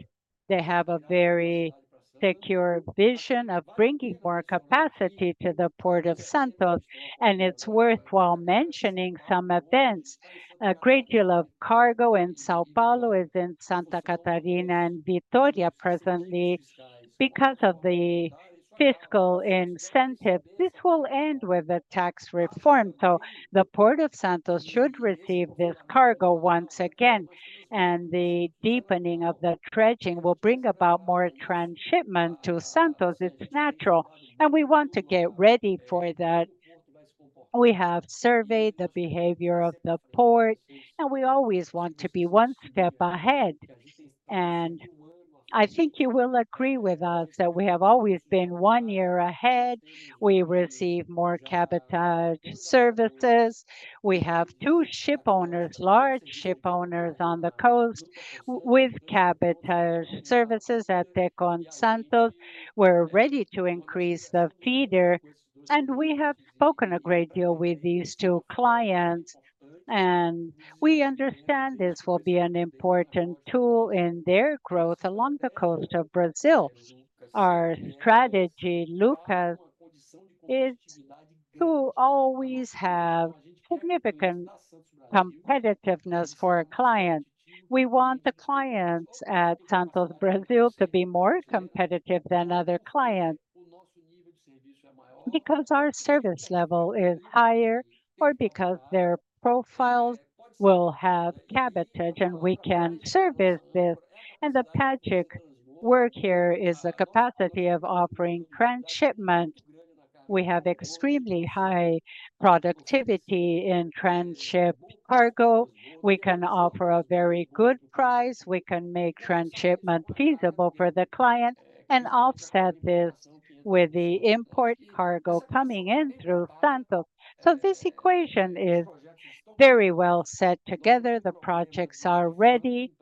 they have a very secure vision of bringing more capacity to the Port of Santos. It's worthwhile mentioning some events. A great deal of cargo in São Paulo is in Santa Catarina and Vitória presently because of the fiscal incentives. This will end with a tax reform. The Port of Santos should receive this cargo once again. The deepening of the stretching will bring about more transshipment to Santos. It's natural. We want to get ready for that. We have surveyed the behavior of the port, and we always want to be one step ahead. I think you will agree with us that we have always been one year ahead. We receive more cabotage services. We have two shipowners, large shipowners on the coast with cabotage services at Tecon Santos. We're ready to increase the feeder. We have spoken a great deal with these two clients, and we understand this will be an important tool in their growth along the coast of Brazil. Our strategy, Lucas, is to always have significant competitiveness for our clients. We want the clients at Santos Brasil, to be more competitive than other clients because our service level is higher or because their profiles will have cabotage, and we can service this. The magic word here is the capacity of offering transshipment. We have extremely high productivity in transshipped cargo. We can offer a very good price. We can make transshipment feasible for the client and offset this with the import cargo coming in through Santos. So this equation is very well set together. The projects are ready.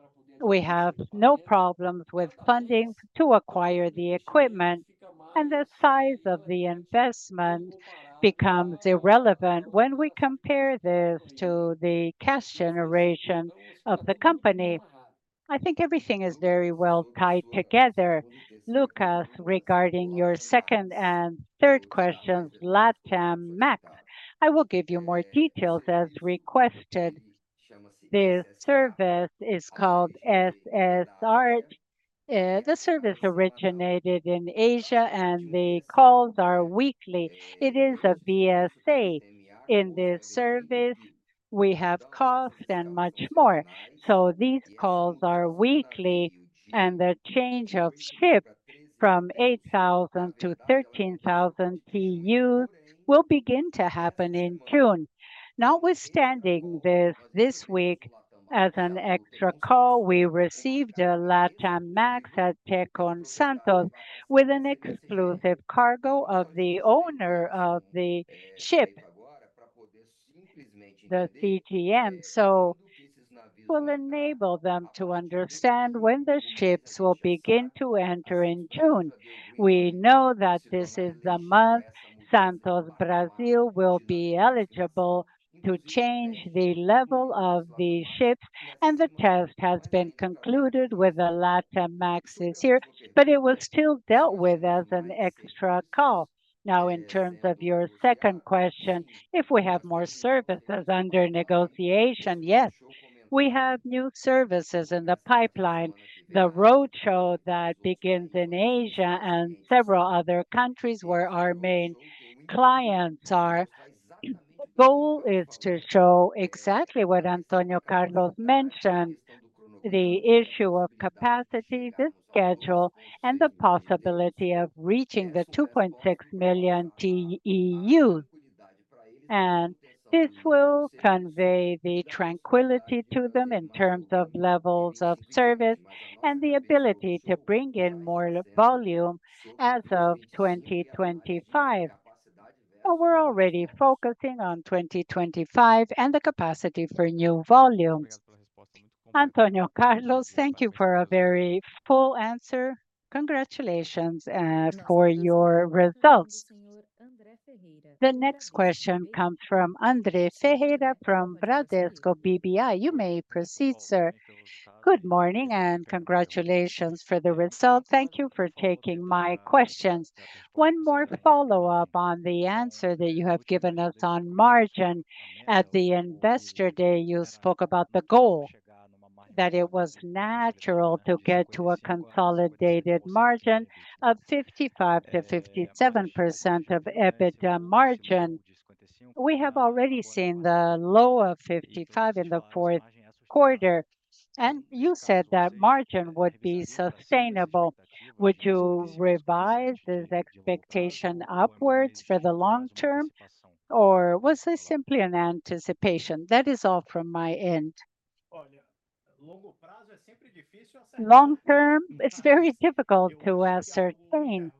We have no problems with funding to acquire the equipment. The size of the investment becomes irrelevant when we compare this to the cash generation of the company. I think everything is very well tied together. Lucas, regarding your second and third questions, Latam Max, I will give you more details as requested. This service is called SEAS. The service originated in Asia, and the calls are weekly. It is a VSA. In this service, we have costs and much more. So these calls are weekly, and the change of ships from 8,000-13,000 TEUs will begin to happen in June. Notwithstanding this, this week, as an extra call, we received a Latam Max at Tecon Santos with an exclusive cargo of the owner of the ship, the CMA. So this will enable them to understand when the ships will begin to enter in June. We know that this is the month Santos Brasil, will be eligible to change the level of the ships. And the test has been concluded with a Latam Max. This year, but it was still dealt with as an extra call. Now, in terms of your second question, if we have more services under negotiation, yes, we have new services in the pipeline. The roadshow that begins in Asia and several other countries where our main clients are. The goal is to show exactly what Antônio Carlos mentioned, the issue of capacity, the schedule, and the possibility of reaching the 2.6 million TEUs. And this will convey the tranquility to them in terms of levels of service and the ability to bring in more volume as of 2025. But we're already focusing on 2025 and the capacity for new volumes. Antônio Carlos, thank you for a very full answer. Congratulations for your results. The next question comes from André Ferreira from Bradesco BBI. You may proceed, sir. Good morning and congratulations for the result. Thank you for taking my questions. One more follow-up on the answer that you have given us on margin at the Investor Day. You spoke about the goal that it was natural to get to a consolidated margin of 55%-57% EBITDA margin. We have already seen the low of 55% in the fourth quarter. You said that margin would be sustainable. Would you revise this expectation upwards for the long term, or was this simply an anticipation? That is all from my end. Long term, it's very difficult to ascertain.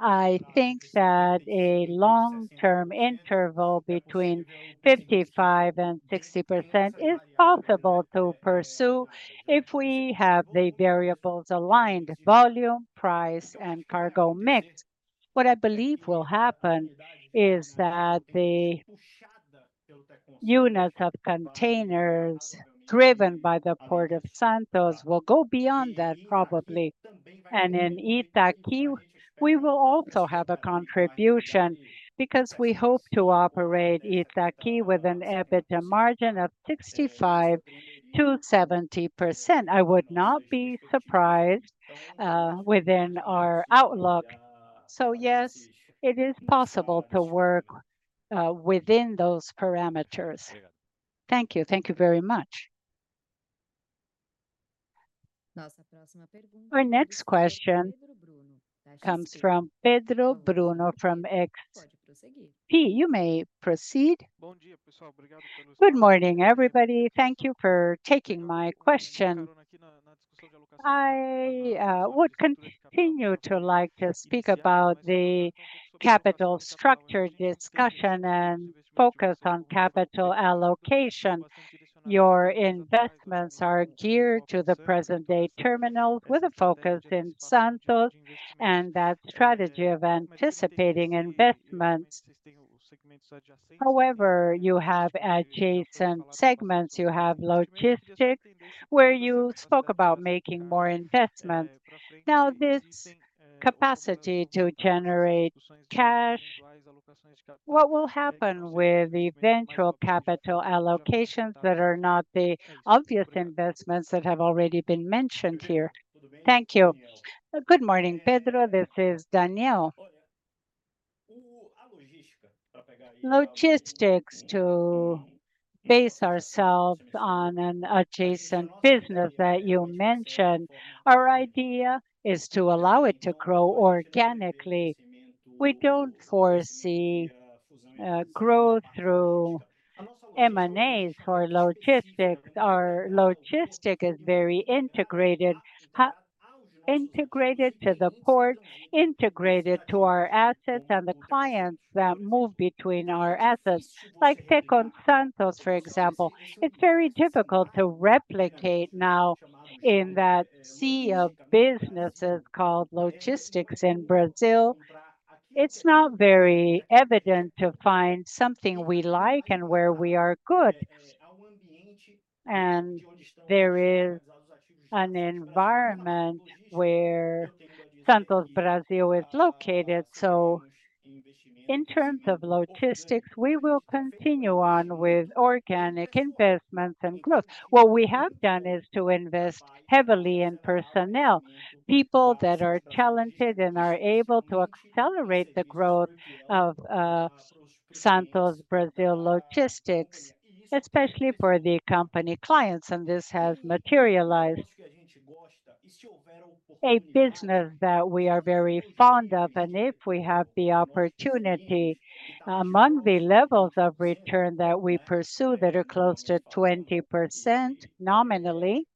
I think that a long-term interval between 55%-60% is possible to pursue if we have the variables aligned: volume, price, and cargo mix. What I believe will happen is that the units of containers driven by the Port of Santos will go beyond that, probably. In Itaqui, we will also have a contribution because we hope to operate Itaqui with an EBITDA margin of 65%-70%. I would not be surprised, within our outlook. So yes, it is possible to work, within those parameters. Thank you. Thank you very much. Our next question comes from Pedro Bruno from XP Investimentos. You may proceed. Good morning, everybody. Thank you for taking my question. I would continue to like to speak about the capital structure discussion and focus on capital allocation. Your investments are geared to the present-day terminals with a focus in Santos and that strategy of anticipating investments. However, you have adjacent segments. You have logistics, where you spoke about making more investments. Now, this capacity to generate cash, what will happen with eventual capital allocations that are not the obvious investments that have already been mentioned here? Thank you. Good morning, Pedro. This is Daniel. Logistics to base ourselves on an adjacent business that you mentioned. Our idea is to allow it to grow organically. We don't foresee growth through M&As for logistics. Our logistics is very integrated, integrated to the port, integrated to our assets and the clients that move between our assets, like Tecon Santos, for example. It's very difficult to replicate now in that sea of businesses called logistics in Brazil. It's not very evident to find something we like and where we are good. There is an environment where Santos Brasil is located. So in terms of logistics, we will continue on with organic investments and growth. What we have done is to invest heavily in personnel, people that are talented and are able to accelerate the growth of Santos Brasil Logistics, especially for the company clients. This has materialized a business that we are very fond of. If we have the opportunity, among the levels of return that we pursue that are close to 20% nominally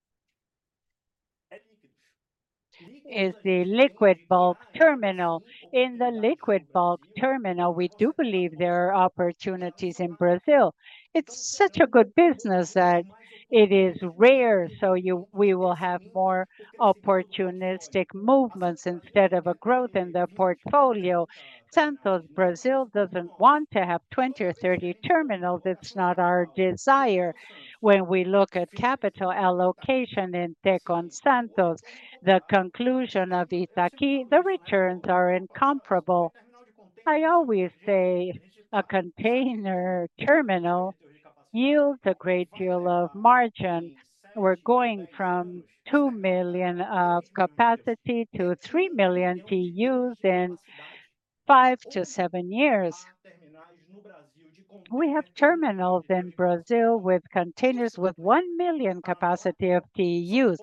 is the liquid bulk terminal. In the liquid bulk terminal, we do believe there are opportunities in Brazil. It's such a good business that it is rare. So we will have more opportunistic movements instead of a growth in the portfolio. Santos Brasil, doesn't want to have 20 or 30 terminals. It's not our desire. When we look at capital allocation in Tecon Santos, the conclusion of Itaqui, the returns are incomparable. I always say a container terminal yields a great deal of margin. We're going from 2 million of capacity to 3 million TEUs in 5-7 years. We have terminals in Brazil with containers with 1 million capacity of TEUs.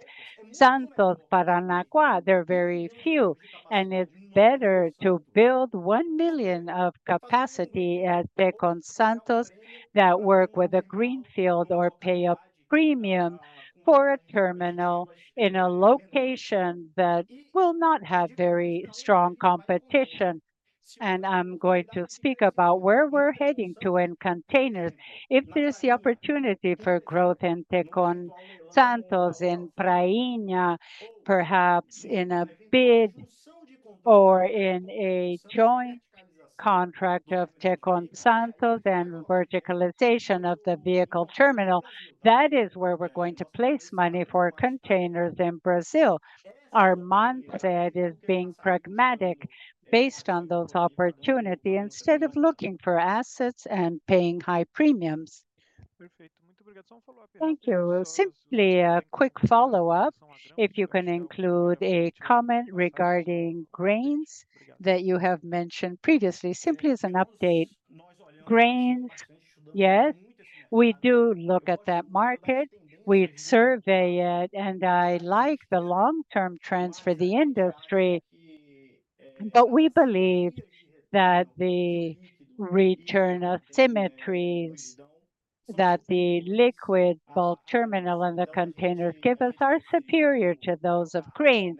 Santos, Paranaguá, they're very few. It's better to build 1 million of capacity at Tecon Santos that work with a greenfield or pay a premium for a terminal in a location that will not have very strong competition. I'm going to speak about where we're heading to in containers. If there's the opportunity for growth in Tecon Santos, in Prainha, perhaps in a bid or in a joint contract of Tecon Santos and verticalization of the vehicle terminal, that is where we're going to place money for containers in Brazil. Our mindset is being pragmatic based on those opportunities instead of looking for assets and paying high premiums. Thank you. Simply a quick follow-up. If you can include a comment regarding grains that you have mentioned previously, simply as an update. Grains, yes, we do look at that market. We survey it, and I like the long-term trends for the industry. But we believe that the return asymmetries that the liquid bulk terminal and the containers give us are superior to those of grains.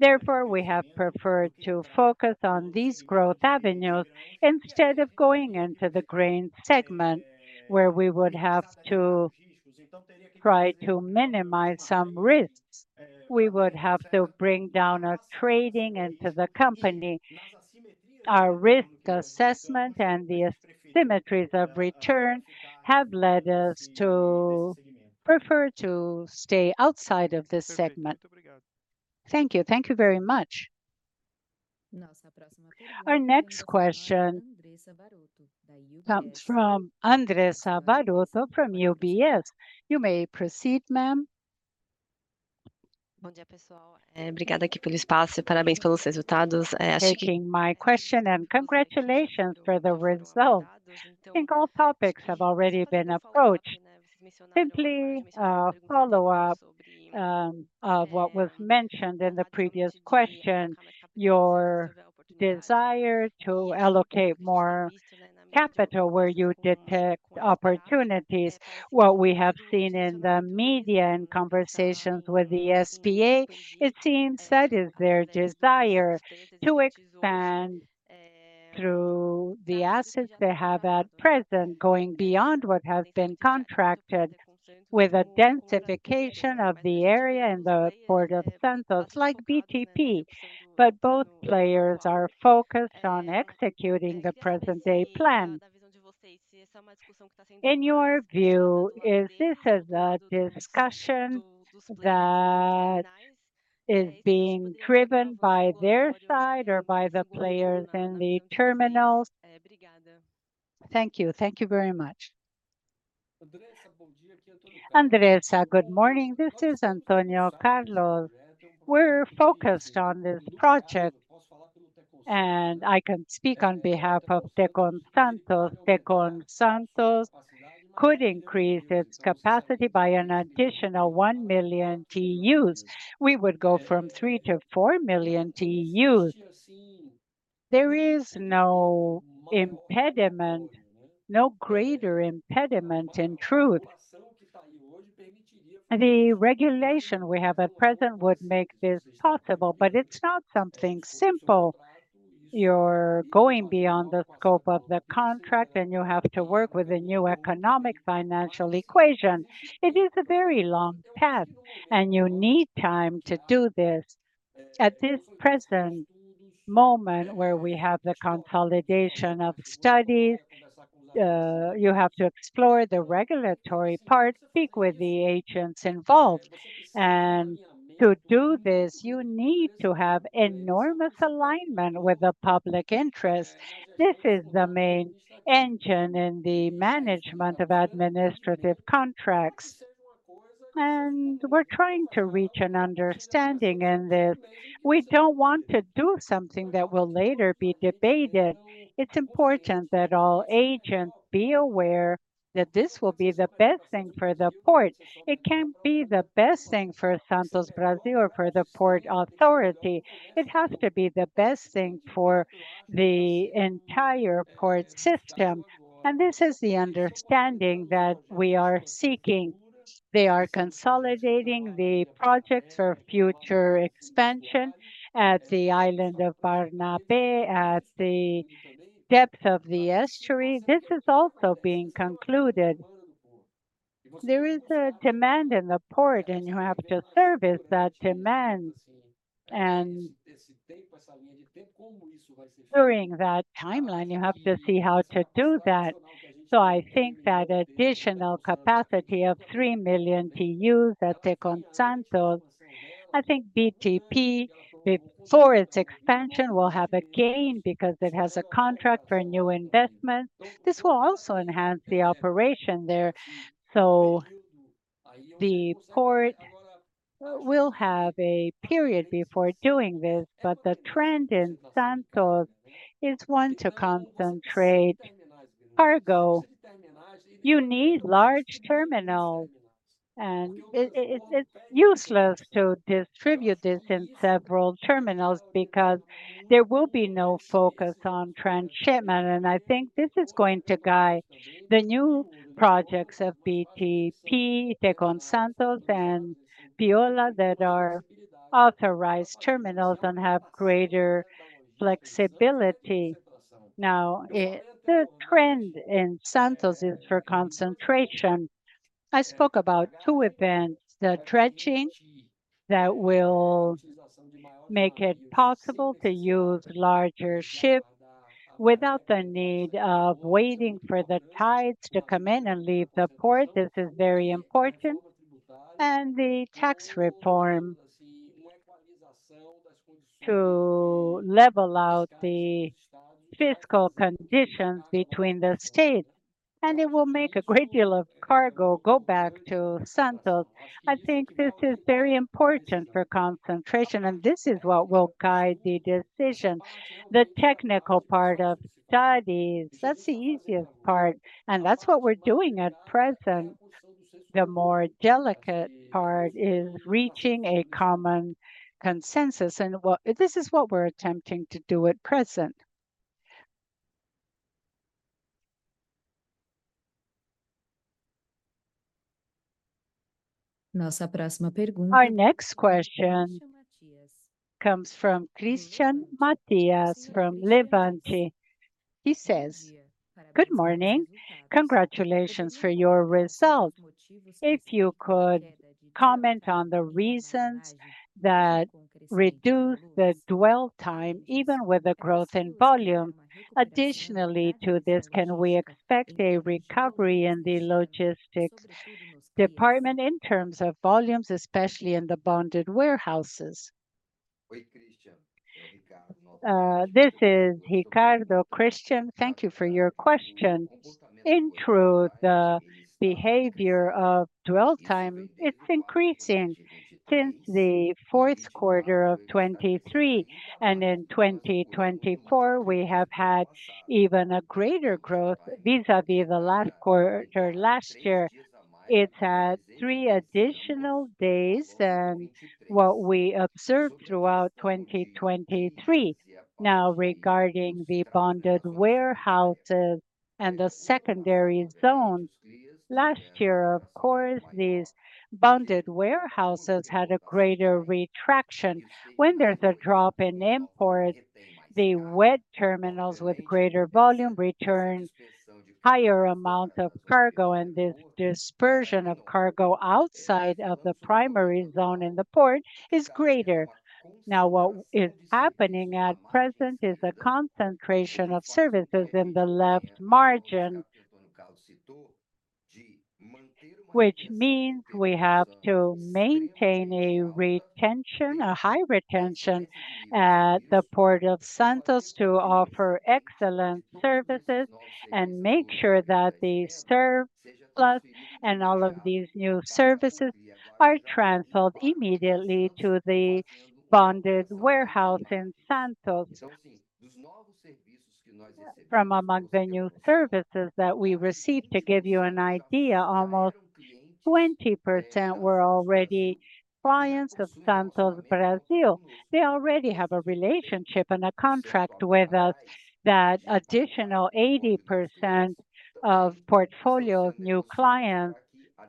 Therefore, we have preferred to focus on these growth avenues instead of going into the grain segment where we would have to try to minimize some risks. We would have to bring down our trading into the company. Our risk assessment and the asymmetries of return have led us to prefer to stay outside of this segment. Thank you. Thank you very much. Our next question comes from Andressa Varotto from UBS. You may proceed, ma'am. Bom dia, pessoal. Obrigada aqui pelo espaço. Parabéns pelos resultados. Taking my question and congratulations for the result. I think all topics have already been approached. Simply a follow-up of what was mentioned in the previous question, your desire to allocate more capital where you detect opportunities. What we have seen in the media and conversations with the SPA, it seems that is their desire to expand through the assets they have at present, going beyond what has been contracted with a densification of the area in the Port of Santos, like BTP. But both players are focused on executing the present-day plan. In your view, is this a discussion that is being driven by their side or by the players in the terminals? Obrigada. Thank you. Thank you very much. Andressa, bom dia. Good morning. This is Antonio Carlos. We're focused on this project, and I can speak on behalf of Tecon Santos. Tecon Santos could increase its capacity by an additional 1 million TEUs. We would go from 3 to 4 million TEUs. There is no impediment, no greater impediment, in truth. The regulation we have at present would make this possible, but it's not something simple. You're going beyond the scope of the contract, and you have to work with a new economic financial equation. It is a very long path, and you need time to do this. At this present moment where we have the consolidation of studies, you have to explore the regulatory part, speak with the agents involved. To do this, you need to have enormous alignment with the public interest. This is the main engine in the management of administrative contracts. We're trying to reach an understanding in this. We don't want to do something that will later be debated. It's important that all agents be aware that this will be the best thing for the port. It can't be the best thing for Santos Brasil, or for the Port Authority. It has to be the best thing for the entire port system. This is the understanding that we are seeking. They are consolidating the projects for future expansion at Ilha Barnabé, at the depth of the estuary. This is also being concluded. There is a demand in the port, and you have to service that demand. During that timeline, you have to see how to do that. I think that additional capacity of 3 million TEUs at Tecon Santos, I think BTP, before its expansion, will have a gain because it has a contract for new investments. This will also enhance the operation there. The port will have a period before doing this. The trend in Santos is one to concentrate cargo. You need large terminals, and it's useless to distribute this in several terminals because there will be no focus on transshipment. And I think this is going to guide the new projects of BTP, Tecon Santos, and Pérola that are authorized terminals and have greater flexibility. Now, the trend in Santos is for concentration. I spoke about two events: the dredging that will make it possible to use larger ships without the need of waiting for the tides to come in and leave the port. This is very important. And the tax reform to level out the fiscal conditions between the states. And it will make a great deal of cargo go back to Santos. I think this is very important for concentration, and this is what will guide the decision. The technical part of studies, that's the easiest part, and that's what we're doing at present. The more delicate part is reaching a common consensus. And this is what we're attempting to do at present. Our next question comes from Christian Mattias from Levante. He says, "Good morning. Congratulations for your result. If you could comment on the reasons that reduce the dwell time, even with the growth in volume. Additionally to this, can we expect a recovery in the logistics department in terms of volumes, especially in the bonded warehouses?" This is Ricardo, Christian. Thank you for your question. In truth, the behavior of dwell time is increasing since the fourth quarter of 2023. And in 2024, we have had even greater growth vis-à-vis the last quarter. Last year, it's had three additional days than what we observed throughout 2023. Now, regarding the bonded warehouses and the secondary zones, last year, of course, these bonded warehouses had a greater retraction. When there's a drop in imports, the wet terminals with greater volume return higher amounts of cargo. And this dispersion of cargo outside of the primary zone in the port is greater. Now, what is happening at present is a concentration of services in the left margin, which means we have to maintain a retention, a high retention at the Port of Santos to offer excellent services and make sure that the surplus and all of these new services are transferred immediately to the bonded warehouse in Santos. From among the new services that we received, to give you an idea, almost 20% were already clients of Santos Brasil. They already have a relationship and a contract with us. That additional 80% of portfolio of new clients are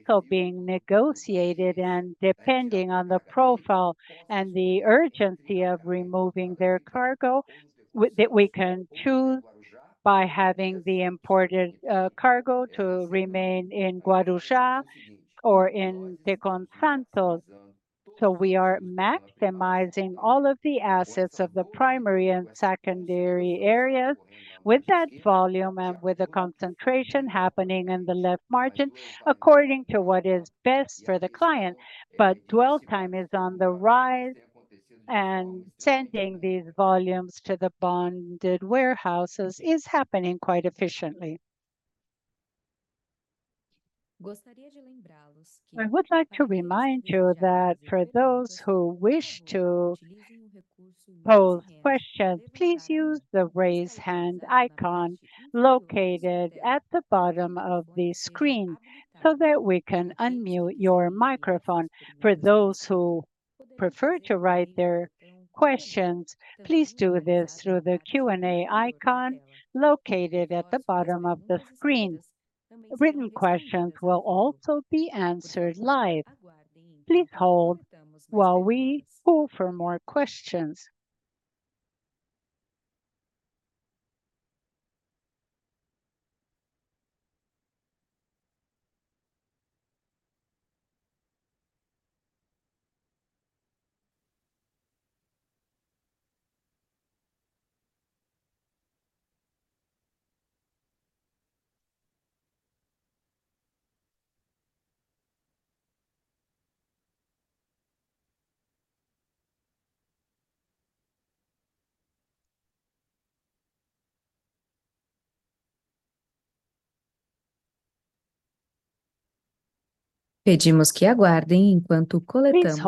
still being negotiated, and depending on the profile and the urgency of removing their cargo, that we can choose by having the imported cargo to remain in Guarujá or in Tecon Santos. So we are maximizing all of the assets of the primary and secondary areas with that volume and with the concentration happening in the left margin according to what is best for the client. But dwell time is on the rise, and sending these volumes to the bonded warehouses is happening quite efficiently. I would like to remind you that for those who wish to pose questions, please use the raise hand icon located at the bottom of the screen so that we can unmute your microphone. For those who prefer to write their questions, please do this through the Q&A icon located at the bottom of the screen. Written questions will also be answered live. Please hold while we call for more questions. Pedimos que aguardem enquanto coletamos.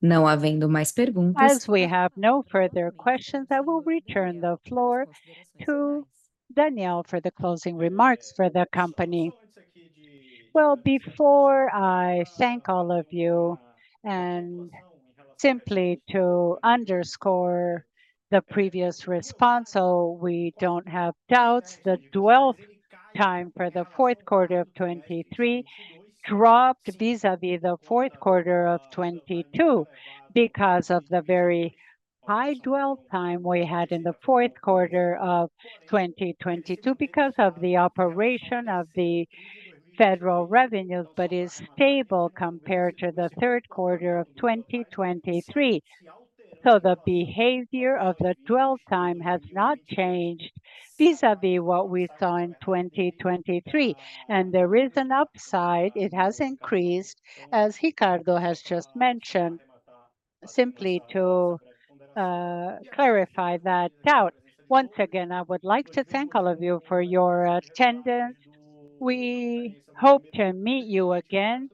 Please hold while we call for questions. Não havendo mais perguntas. As we have no further questions, I will return the floor to Daniel for the closing remarks for the company. Well, before I thank all of you and simply to underscore the previous response, so we don't have doubts, the dwell time for the fourth quarter of 2023 dropped vis-à-vis the fourth quarter of 2022 because of the very high dwell time we had in the fourth quarter of 2022 because of the operation of the Federal Revenue, but is stable compared to the third quarter of 2023. The behavior of the dwell time has not changed vis-à-vis what we saw in 2023. There is an upside. It has increased, as Ricardo has just mentioned, simply to clarify that doubt. Once again, I would like to thank all of you for your attendance. We hope to meet you again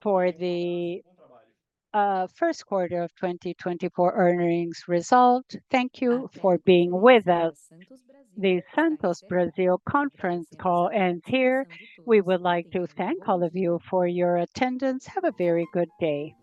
for the first quarter of 2024 earnings result. Thank you for being with us. The Santos Brasil conference call ends here. We would like to thank all of you for your attendance. Have a very good day.